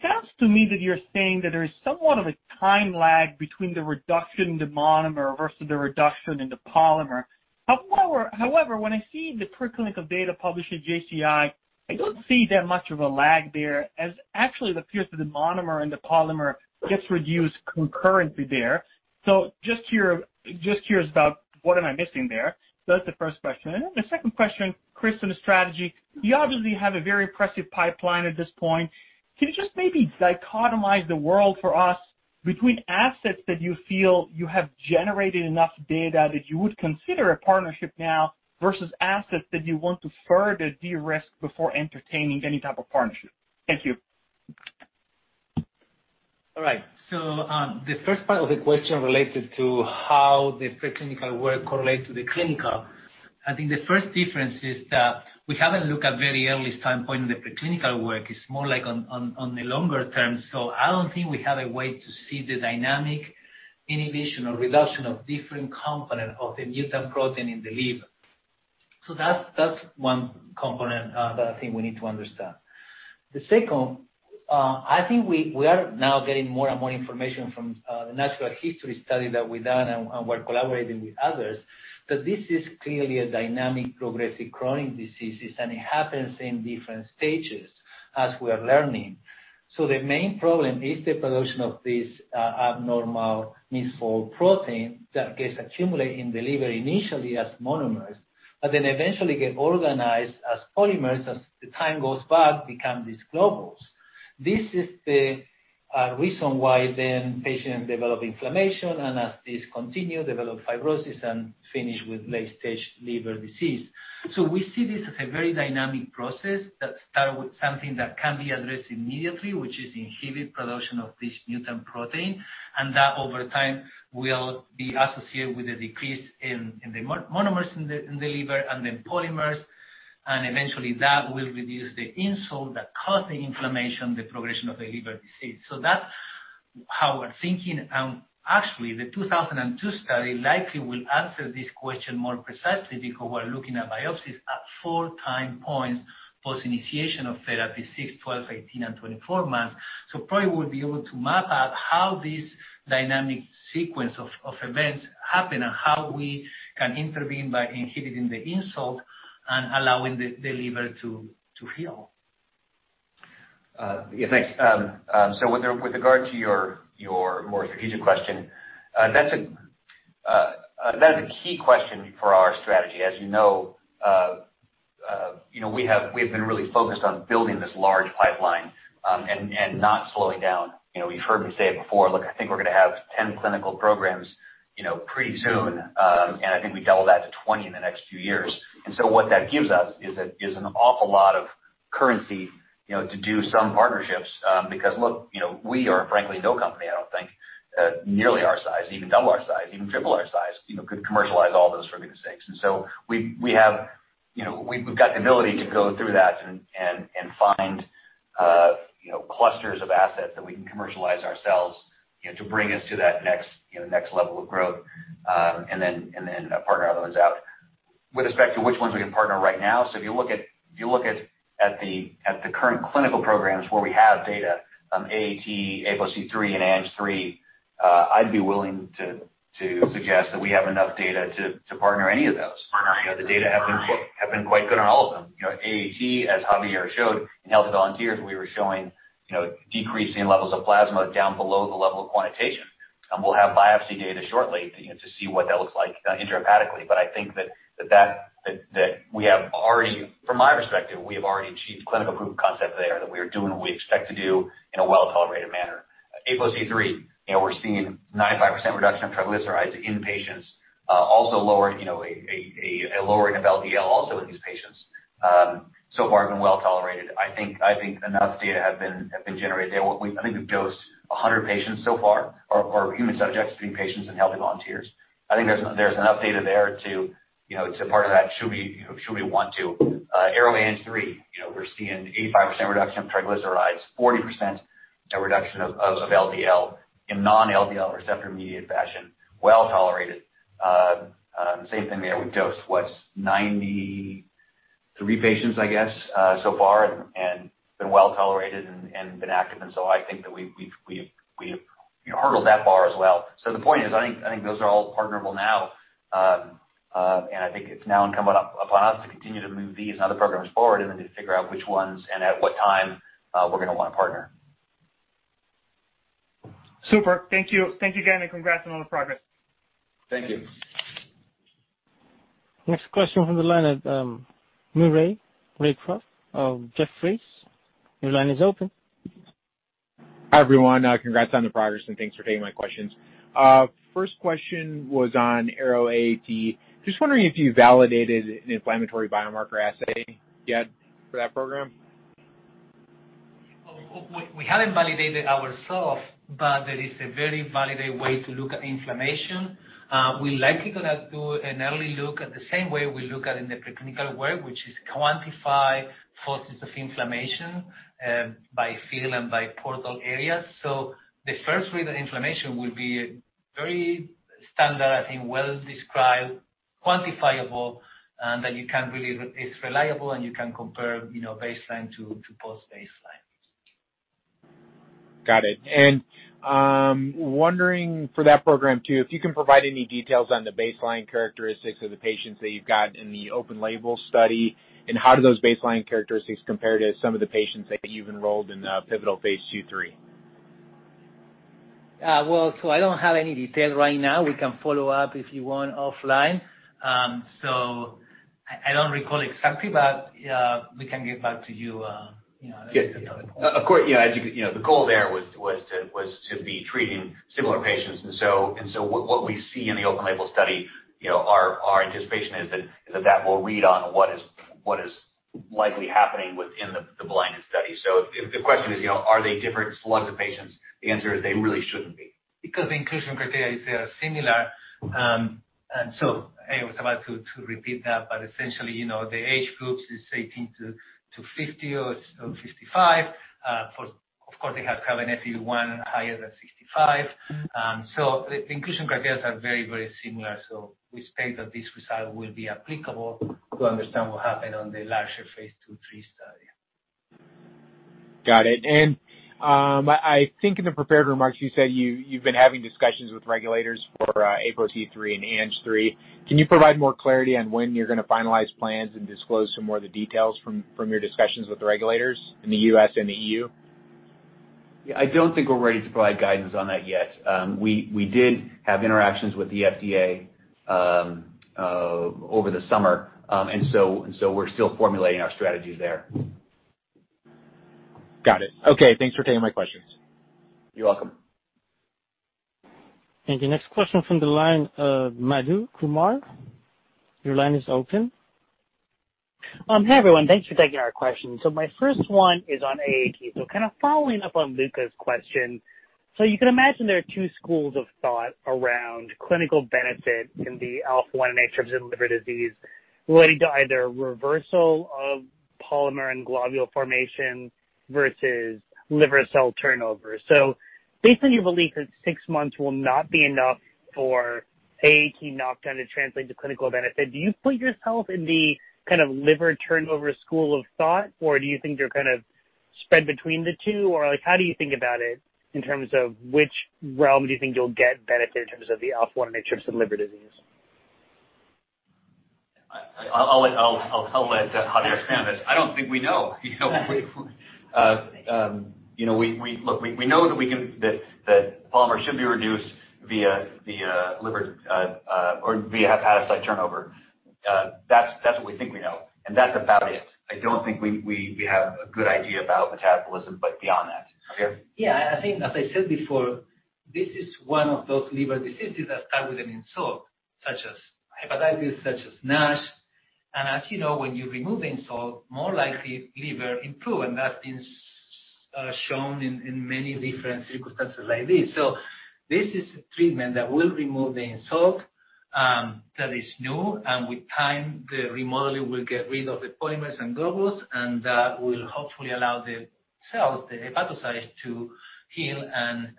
sounds to me that you're saying that there is somewhat of a time lag between the reduction in the monomer versus the reduction in the polymer. However, when I see the preclinical data published at JCI, I don't see that much of a lag there, as actually it appears that the monomer and the polymer gets reduced concurrently there. Just curious about what am I missing there? That's the first question. Then the second question, Chris, on the strategy. You obviously have a very impressive pipeline at this point. Can you just maybe dichotomize the world for us between assets that you feel you have generated enough data that you would consider a partnership now versus assets that you want to further de-risk before entertaining any type of partnership? Thank you. All right. The first part of the question related to how the preclinical work correlates to the clinical. I think the first difference is that we haven't looked at very early time point in the preclinical work. It's more like on the longer term. I don't think we have a way to see the dynamic inhibition or reduction of different component of the mutant protein in the liver. That's one component that I think we need to understand. The second, I think we are now getting more and more information from the natural history study that we've done, and we're collaborating with others, that this is clearly a dynamic, progressive, chronic diseases, and it happens in different stages as we are learning. The main problem is the production of this abnormal misfold protein that gets accumulated in the liver, initially as monomers, but then eventually get organized as polymers as the time goes by, become these globules. This is the reason why then patients develop inflammation, and as this continue, develop fibrosis and finish with late-stage liver disease. We see this as a very dynamic process that start with something that can be addressed immediately, which is inhibit production of this mutant protein, and that, over time, will be associated with a decrease in the monomers in the liver and then polymers, and eventually that will reduce the insult that cause the inflammation, the progression of the liver disease. That's how we're thinking. Actually, the 2002 study likely will answer this question more precisely because we're looking at biopsies at four time points post initiation of therapy, six, 12, 18, and 24 months. Probably we'll be able to map out how this dynamic sequence of events happen and how we can intervene by inhibiting the insult and allowing the liver to heal. Yeah, thanks. With regard to your more strategic question, that's a key question for our strategy. As you know, we have been really focused on building this large pipeline, and not slowing down. You've heard me say it before, look, I think we're going to have 10 clinical programs pretty soon. I think we double that to 20 in the next few years. What that gives us is an awful lot of currency to do some partnerships. Because look, we are frankly no company, I don't think, nearly our size, even double our size, even triple our size, could commercialize all those for good sakes. We've got the ability to go through that and find clusters of assets that we can commercialize ourselves to bring us to that next level of growth. Partner other ones out. With respect to which ones we can partner right now, if you look at the current clinical programs where we have data, ARO-AAT, ARO-APOC3, and ARO-ANG3, I'd be willing to suggest that we have enough data to partner any of those. The data have been quite good on all of them. ARO-AAT, as Javier showed, in healthy volunteers, we were showing decreasing levels of plasma down below the level of quantitation. We'll have biopsy data shortly to see what that looks like intrahepatically. I think that we have already, from my perspective, we have already achieved clinical proof of concept there that we are doing what we expect to do in a well-tolerated manner. ARO-APOC3, we're seeing 95% reduction of triglycerides in patients. Also a lowering of LDL also in these patients. So far have been well-tolerated. I think enough data have been generated there. I think we've dosed 100 patients so far, or human subjects between patients and healthy volunteers. I think there's enough data there to partner that, should we want to. ARO-ANG3, we're seeing 85% reduction of triglycerides, 40% reduction of LDL in non-LDL receptor-mediated fashion. Well-tolerated. Same thing there. We dosed, what? 93 patients, I guess, so far and been well-tolerated and been active. I think that we've hurdled that bar as well. The point is, I think those are all partnerable now. I think it's now incumbent upon us to continue to move these and other programs forward to figure out which ones and at what time we're going to want to partner. Super. Thank you. Thank you again. Congrats on all the progress. Thank you. Next question from the line of Maury Raycroft of Jefferies. Your line is open. Hi, everyone. Congrats on the progress, and thanks for taking my questions. First question was on ARO-AAT. Just wondering if you validated an inflammatory biomarker assay yet for that program. We haven't validated ourselves. There is a very valid way to look at inflammation. We likely going to do an early look at the same way we look at in the pre-clinical work, which is quantify forces of inflammation by field and by portal areas. The first read of inflammation will be very standard, I think, well-described, quantifiable, and that you can believe it's reliable, and you can compare baseline to post baseline. Got it. Wondering for that program, too, if you can provide any details on the baseline characteristics of the patients that you've got in the open label study, and how do those baseline characteristics compare to some of the patients that you've enrolled in the pivotal phase II, III? I don't have any details right now. We can follow up if you want offline. I don't recall exactly, but we can get back to you later. Of course. The goal there was to be treating similar patients. What we see in the open label study, our anticipation is that will read on what is likely happening within the blinded study. If the question is, are they different slice of patients? The answer is they really shouldn't be. The inclusion criteria is similar. I was about to repeat that, but essentially, the age groups is 18 - 50 or 55. Of course, they have Kaplan FE1 higher than 65. The inclusion criteria are very, very similar. We expect that this result will be applicable to understand what happened on the larger phase II, III study. Got it. I think in the prepared remarks, you said you've been having discussions with regulators for APOC3 and ANG3. Can you provide more clarity on when you're going to finalize plans and disclose some more of the details from your discussions with the regulators in the U.S. and the EU? Yeah, I don't think we're ready to provide guidance on that yet. We did have interactions with the FDA over the summer. We're still formulating our strategies there. Got it. Okay, thanks for taking my questions. You're welcome. The next question from the line of Madhu Kumar, your line is open. Hey, everyone. Thanks for taking our question. My first one is on AAT. Kind of following up on Luca's question. You can imagine there are two schools of thought around clinical benefit in the alpha-1 antitrypsin liver disease relating to either reversal of polymer and globule formation versus liver cell turnover. Based on your belief that six months will not be enough for AAT knockdown to translate to clinical benefit, do you put yourself in the kind of liver turnover school of thought, or do you think you're kind of spread between the two? How do you think about it in terms of which realm do you think you'll get benefit in terms of the alpha-1 antitrypsin liver disease? I'll let Javier expand this. I don't think we know. Look, we know that polymer should be reduced via hepatocyte turnover. That's what we think we know, and that's about it. I don't think we have a good idea about metabolism, but beyond that. Javier? Yeah, I think, as I said before, this is one of those liver diseases that start with an insult, such as hepatitis, such as NASH. As you know, when you remove insult, more likely liver improve, and that has been shown in many different circumstances like this. This is a treatment that will remove the insult, that is new, and with time, the remodeling will get rid of the polymers and globules, and that will hopefully allow the cells, the hepatocytes, to heal and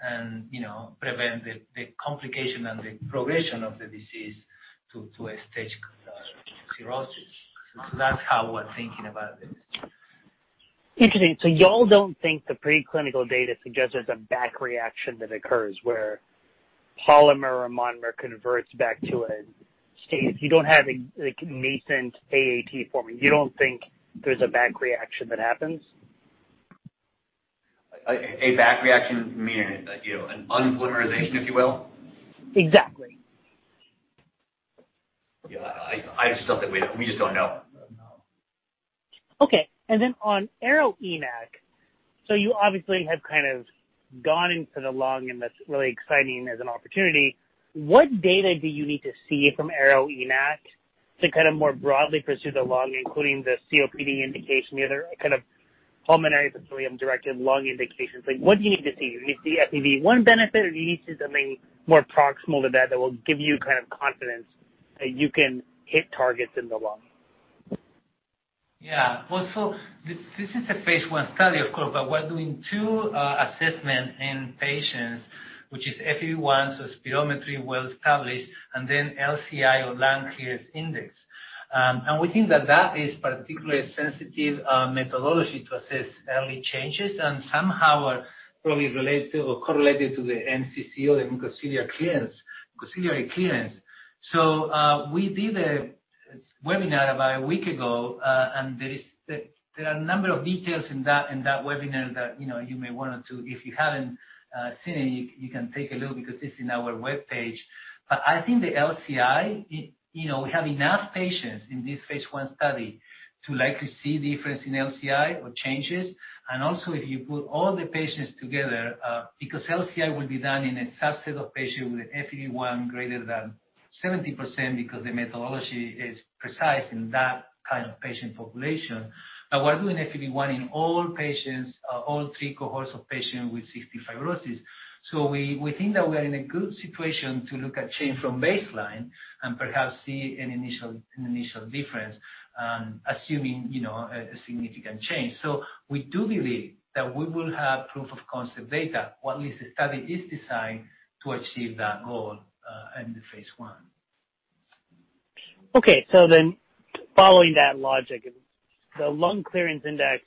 prevent the complication and the progression of the disease to a stage cirrhosis. That's how we're thinking about this. Interesting. Y'all don't think the preclinical data suggests there's a back reaction that occurs where polymer or monomer converts back to a state. You don't have a nascent AAT forming. You don't think there's a back reaction that happens? A back reaction meaning an unpolymerization, if you will? Exactly. Yeah. We just don't know. Okay. On ARO-ENaC, you obviously have gone into the lung, and that's really exciting as an opportunity. What data do you need to see from ARO-ENaC to more broadly pursue the lung, including the COPD indication, the other pulmonary epithelium-directed lung indications? What do you need to see? Do you need to see FEV1 benefit, or do you need to see something more proximal to that that will give you confidence that you can hit targets in the lung? This is a phase I study, of course, but we're doing two assessments in patients, which is FEV1, so spirometry, well-established, and then LCI or lung clearance index. We think that that is particularly sensitive methodology to assess early changes and somehow are probably related to or correlated to the MCC or the mucociliary clearance. We did a webinar about a week ago, and there are a number of details in that webinar that you may want to, if you haven't seen it, you can take a look because it's in our webpage. I think the LCI, we have enough patients in this phase I study to likely see difference in LCI or changes. Also, if you put all the patients together, because LCI will be done in a subset of patients with an FEV1 greater than 70%, because the methodology is precise in that kind of patient population. We're doing FEV1 in all patients, all three cohorts of patients with CF fibrosis. We think that we are in a good situation to look at change from baseline and perhaps see an initial difference, assuming a significant change. We do believe that we will have proof of concept data. Well, at least the study is designed to achieve that goal, in the phase I. Okay. Following that logic, the lung clearance index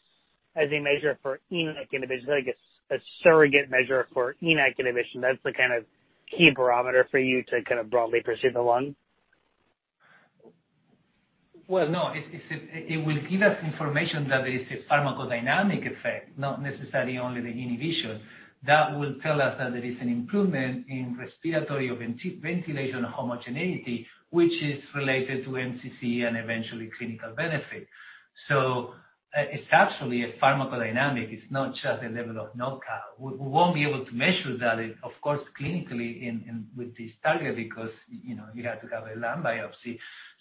as a measure for ENaC inhibition, like a surrogate measure for ENaC inhibition, that's the kind of key barometer for you to kind of broadly pursue the lung? Well, no, it will give us information that there is a pharmacodynamic effect, not necessarily only the inhibition. That will tell us that there is an improvement in respiratory ventilation homogeneity, which is related to MCC and eventually clinical benefit. It's actually a pharmacodynamic. It's not just a level of ENaC. We won't be able to measure that, of course, clinically with this target because you have to have a lung biopsy.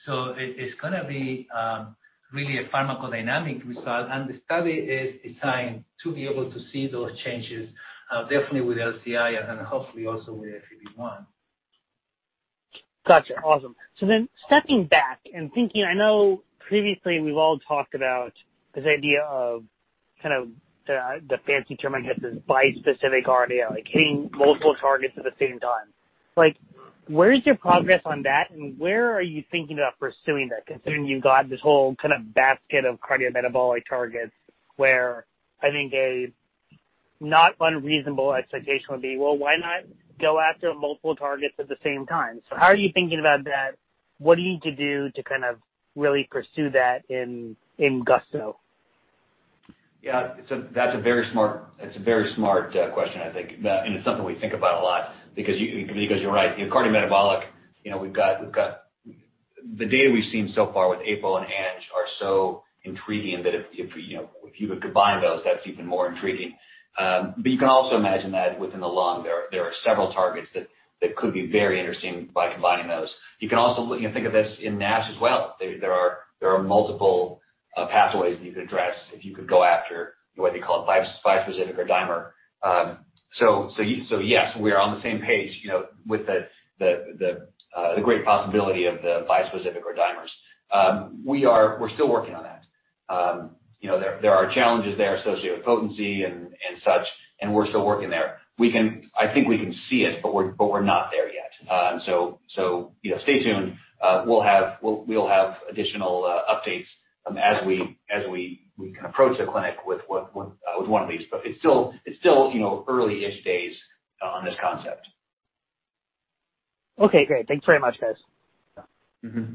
It's going to be really a pharmacodynamic result, and the study is designed to be able to see those changes, definitely with LCI and hopefully also with FEV1. Got you. Awesome. Stepping back and thinking, I know previously we've all talked about this idea of the fancy term, I guess, is bispecific or hitting multiple targets at the same time. Where is your progress on that, and where are you thinking about pursuing that, considering you've got this whole basket of cardiometabolic targets where I think a not unreasonable expectation would be, well, why not go after multiple targets at the same time? How are you thinking about that? What do you need to do to really pursue that in gusto? Yeah. That's a very smart question, I think. It's something we think about a lot because you're right. Cardiometabolic, the data we've seen so far with APOC3 and ANG3 are so intriguing that if you would combine those, that's even more intriguing. You can also imagine that within the lung, there are several targets that could be very interesting by combining those. You can also think of this in NASH as well. There are multiple pathways that you could address if you could go after what you call a bispecific or dimer. Yes, we are on the same page with the great possibility of the bispecific or dimers. We're still working on that. There are challenges there associated with potency and such, and we're still working there. I think we can see it, but we're not there yet. Stay tuned. We'll have additional updates as we can approach the clinic with one of these. It's still early-ish days on this concept. Okay, great. Thanks very much, guys. Yeah. Mm-hmm.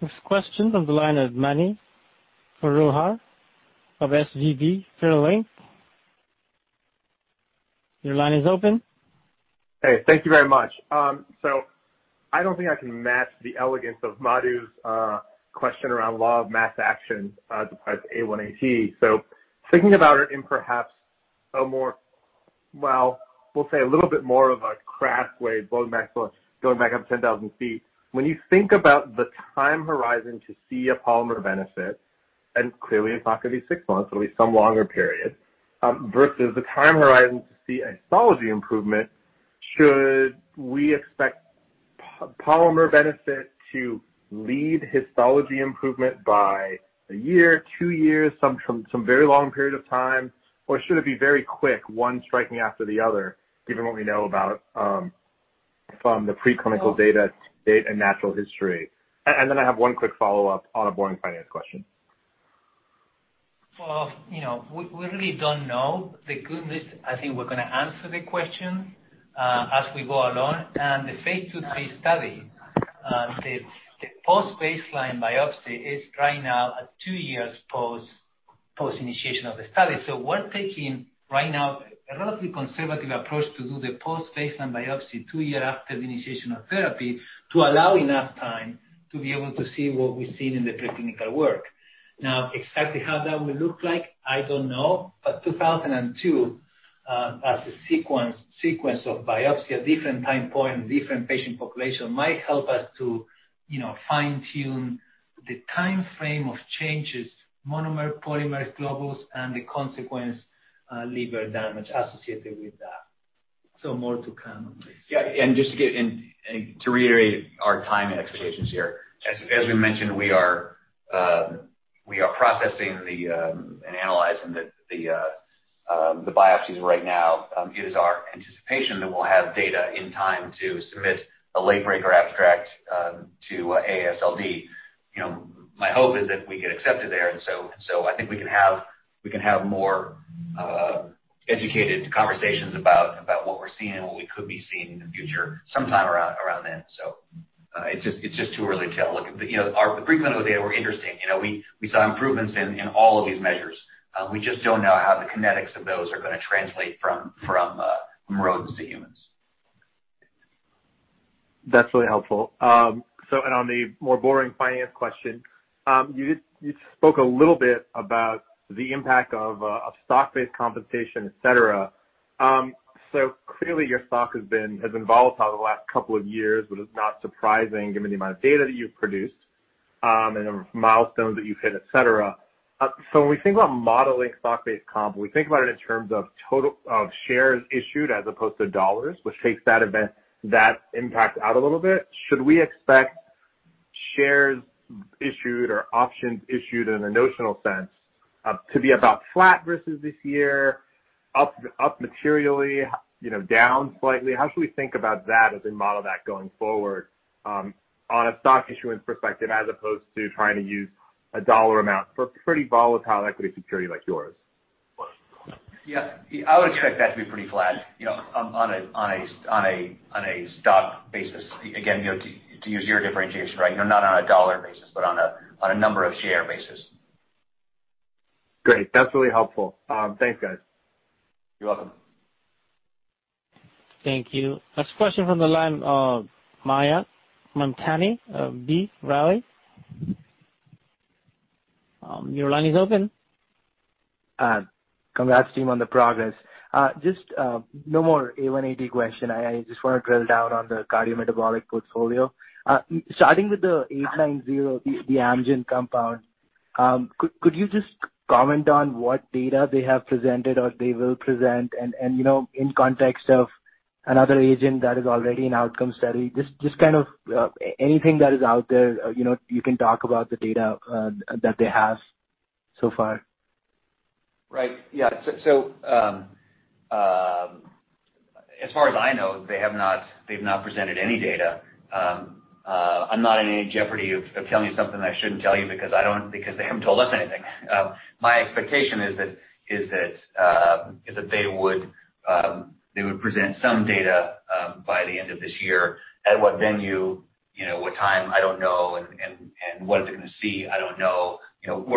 Next question from the line of Mani Foroohar of SVB Leerink. Your line is open. Thank you very much. I don't think I can match the elegance of Madhu's question around law of mass action with respect to A1AT. Thinking about it in perhaps a more, well, we'll say a little bit more of a craft way, going back up 10,000 feet. When you think about the time horizon to see a polymer benefit, and clearly it's not going to be six months, it'll be some longer period, versus the time horizon to see histology improvement, should we expect polymer benefit to lead histology improvement by a year, two years, some very long period of time, or should it be very quick, one striking after the other, given what we know about from the pre-clinical data and natural history? I have one quick follow-up on a boring finance question. Well, we really don't know. The good news, I think we're going to answer the question as we go along. The phase II study, the post-baseline biopsy is right now at two years post initiation of the study. We're taking right now a relatively conservative approach to do the post-baseline biopsy two year after the initiation of therapy to allow enough time to be able to see what we've seen in the pre-clinical work. Now, exactly how that will look like, I don't know. 2002, as a sequence of biopsy at different time point and different patient population might help us to fine tune the timeframe of changes, monomer, polymer, globules, and the consequence liver damage associated with that. More to come on this. Yeah. Just to reiterate our time and expectations here. As we mentioned, we are processing and analyzing the biopsies right now. It is our anticipation that we'll have data in time to submit a late breaker abstract to AASLD. My hope is that we get accepted there, and so I think we can have more educated conversations about what we're seeing and what we could be seeing in the future sometime around then. It's just too early to tell. Look, our pre-clinical data were interesting. We saw improvements in all of these measures. We just don't know how the kinetics of those are going to translate from rodents to humans. That's really helpful. On the more boring finance question, you spoke a little bit about the impact of stock-based compensation, et cetera. Clearly your stock has been volatile the last couple of years, which is not surprising given the amount of data that you've produced, and the milestones that you've hit, et cetera. When we think about modeling stock-based comp, we think about it in terms of shares issued as opposed to dollars, which takes that impact out a little bit. Should we expect shares issued or options issued in a notional sense to be about flat versus this year, up materially, down slightly? How should we think about that as we model that going forward on a stock issuance perspective as opposed to trying to use a dollar amount for a pretty volatile equity security like yours? Yeah. I would expect that to be pretty flat on a stock basis. Again, to use your differentiation, right? Not on a dollar basis, but on a number of share basis. Great. That's really helpful. Thanks, guys. You're welcome. Thank you. Next question from the line of Mayank Mamtani of B. Riley. Your line is open. Congrats team on the progress. Just no more A1AT question. I just want to drill down on the cardiometabolic portfolio. Starting with the AMG 890, the Amgen compound. Could you just comment on what data they have presented or they will present and in context of another agent that is already in outcome study, just anything that is out there, you can talk about the data that they have so far. Right. Yeah. As far as I know, they've not presented any data. I'm not in any jeopardy of telling you something that I shouldn't tell you because they haven't told us anything. My expectation is that they would present some data by the end of this year. At what venue, what time? I don't know. What are they going to see? I don't know. We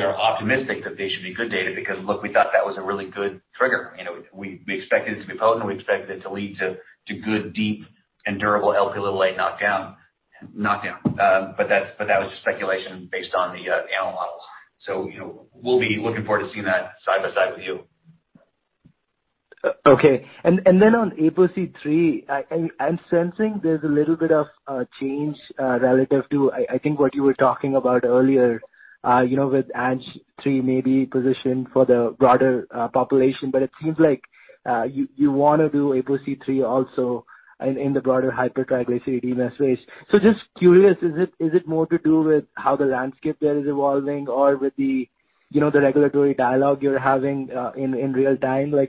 are optimistic that they should be good data because, look, we thought that was a really good trigger. We expected it to be potent, we expected it to lead to good, deep and durable Lp knockdown. That was just speculation based on the animal models. We'll be looking forward to seeing that side by side with you. Okay. On APOC3, I'm sensing there's a little bit of change relative to, I think what you were talking about earlier, with ARO-ANG3 maybe positioned for the broader population. It seems like you want to do APOC3 also in the broader hypertriglyceridemia space. Just curious, is it more to do with how the landscape there is evolving or with the regulatory dialogue you're having in real time? Is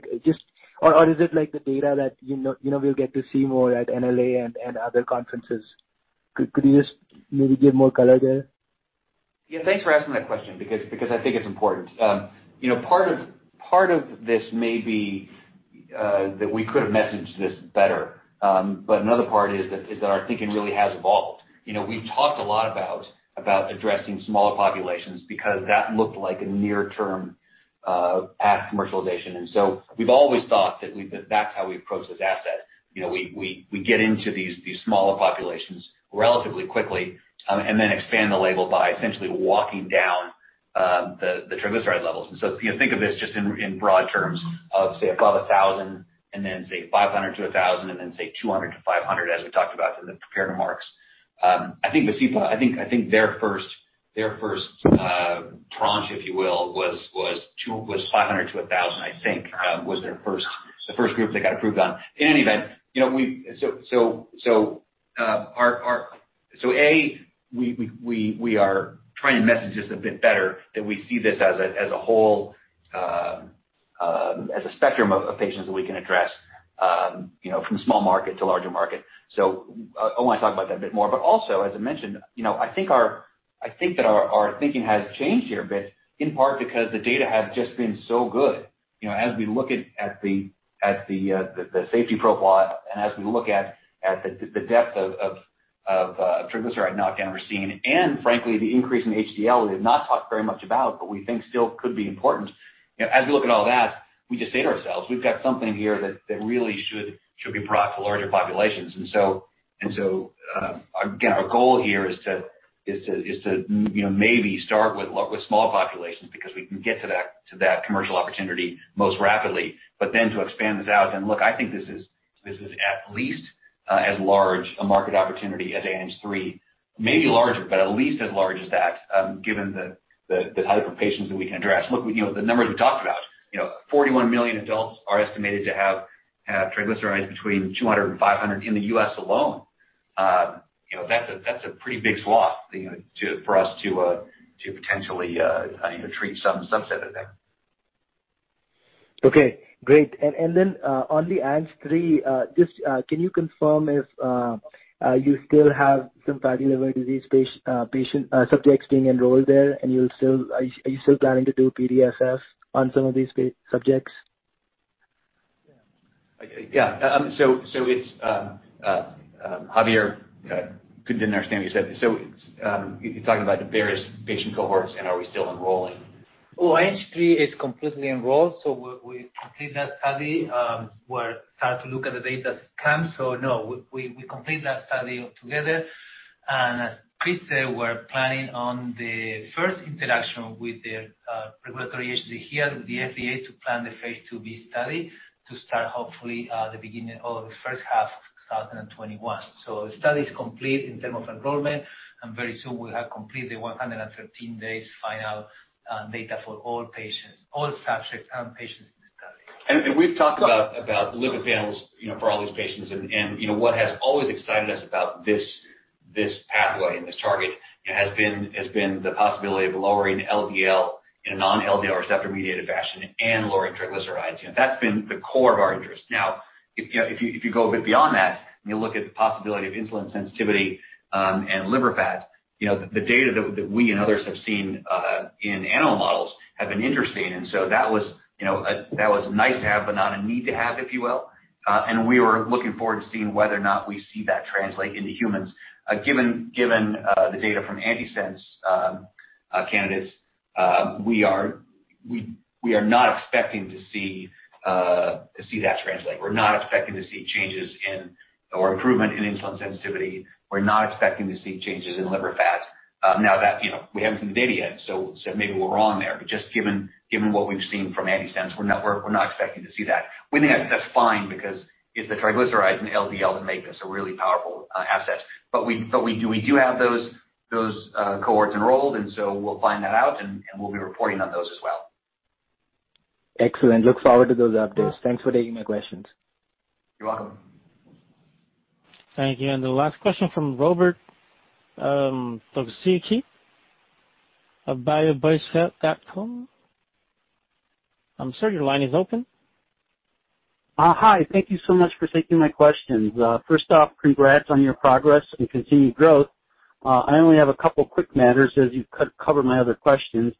it like the data that we'll get to see more at NLA and other conferences? Could you just maybe give more color there? Yeah. Thanks for asking that question because I think it's important. Part of this may be that we could have messaged this better. Another part is that our thinking really has evolved. We've talked a lot about addressing smaller populations because that looked like a near term path to commercialization. We've always thought that that's how we approach this asset. We get into these smaller populations relatively quickly and then expand the label by essentially walking down the triglyceride levels. If you think of this just in broad terms of, say, above 1,000 and then say 500 - 1,000 and then say 200 - 500, as we talked about in the prepared remarks. I think Vascepa, I think their first tranche, if you will, was 500 - 1,000, I think, was the first group that got approved on. In any event, A, we are trying to message this a bit better that we see this as a whole spectrum of patients that we can address, from small market to larger market. I want to talk about that a bit more. Also as I mentioned, I think that our thinking has changed here a bit, in part because the data have just been so good. As we look at the safety profile and as we look at the depth of triglyceride knockdown we're seeing and frankly, the increase in HDL we have not talked very much about, but we think still could be important. As we look at all that, we just say to ourselves, we've got something here that really should be brought to larger populations. Again, our goal here is to maybe start with small populations because we can get to that commercial opportunity most rapidly. Then to expand this out and look, I think this is at least as large a market opportunity as ARO-ANG3, maybe larger, but at least as large as that given the type of patients that we can address. The numbers we talked about. 41 million adults are estimated to have triglycerides between 200-500 in the U.S. alone. That's a pretty big swath for us to potentially treat some subset of them. Okay, great. On the ARO-ANG3, just can you confirm if you still have some fatty liver disease subjects being enrolled there? Are you still planning to do PDFF on some of these subjects? Yeah. So Javier, couldn't understand what you said. You're talking about the various patient cohorts and are we still enrolling? ARO-ANG3 is completely enrolled. We completed that study. We're starting to look at the data that's come. No, we completed that study altogether. As Chris said, we're planning on the first interaction with the regulatory agency here, the FDA, to plan the phase IIb study to start hopefully at the beginning of the first half of 2021. The study is complete in term of enrollment, and very soon we'll have completed the 113 days final data for all patients, all subjects and patients in the study. We've talked about lipid panels for all these patients and what has always excited us about this pathway and this target has been the possibility of lowering LDL in a non-LDL receptor-mediated fashion and lowering triglycerides. That's been the core of our interest. If you go a bit beyond that and you look at the possibility of insulin sensitivity and liver fat, the data that we and others have seen in animal models have been interesting. That was nice to have, but not a need to have, if you will. We were looking forward to seeing whether or not we see that translate into humans. Given the data from antisense candidates, we are not expecting to see that translate. We're not expecting to see changes in or improvement in insulin sensitivity. We're not expecting to see changes in liver fats. We haven't seen the data yet, maybe we're wrong there. Just given what we've seen from antisense, we're not expecting to see that. We think that's fine because it's the triglycerides and LDL that make this a really powerful asset. We do have those cohorts enrolled, we'll find that out and we'll be reporting on those as well. Excellent. Look forward to those updates. Thanks for taking my questions. You're welcome. Thank you. The last question from Robert Tokuchi of biobuzz.com. Sir, your line is open. Hi. Thank you so much for taking my questions. First off, congrats on your progress and continued growth. I only have a couple quick matters as you've covered my other questions.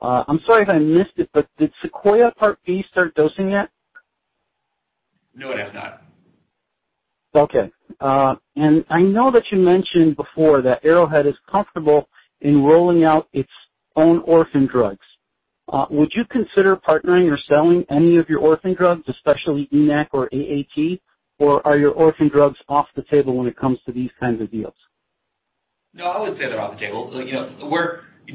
I'm sorry if I missed it, did SEQUOIA Part B start dosing yet? No, it has not. Okay. I know that you mentioned before that Arrowhead is comfortable in rolling out its own orphan drugs. Would you consider partnering or selling any of your orphan drugs, especially ENaC or AAT, or are your orphan drugs off the table when it comes to these kinds of deals? No, I wouldn't say they're off the table.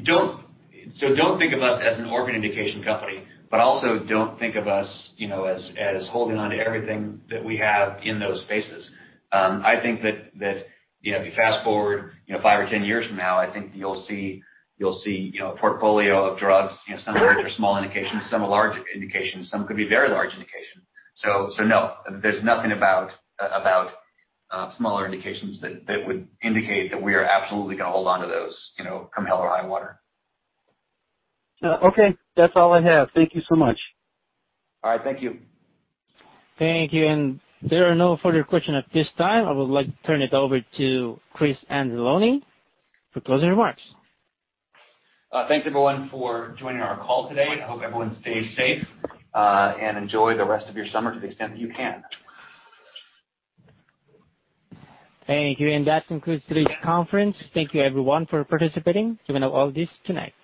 Don't think of us as an orphan indication company, but also don't think of us as holding onto everything that we have in those spaces. I think that if you fast-forward five or 10 years from now, I think you'll see a portfolio of drugs, some of which are small indications, some are large indications, some could be very large indications. No, there's nothing about smaller indications that would indicate that we are absolutely going to hold on to those, come hell or high water. Okay. That's all I have. Thank you so much. All right. Thank you. Thank you. There are no further question at this time. I would like to turn it over to Chris Anzalone for closing remarks. Thanks, everyone, for joining our call today, and I hope everyone stays safe and enjoy the rest of your summer to the extent that you can. Thank you. That concludes today's conference. Thank you everyone for participating. You may now all disconnect.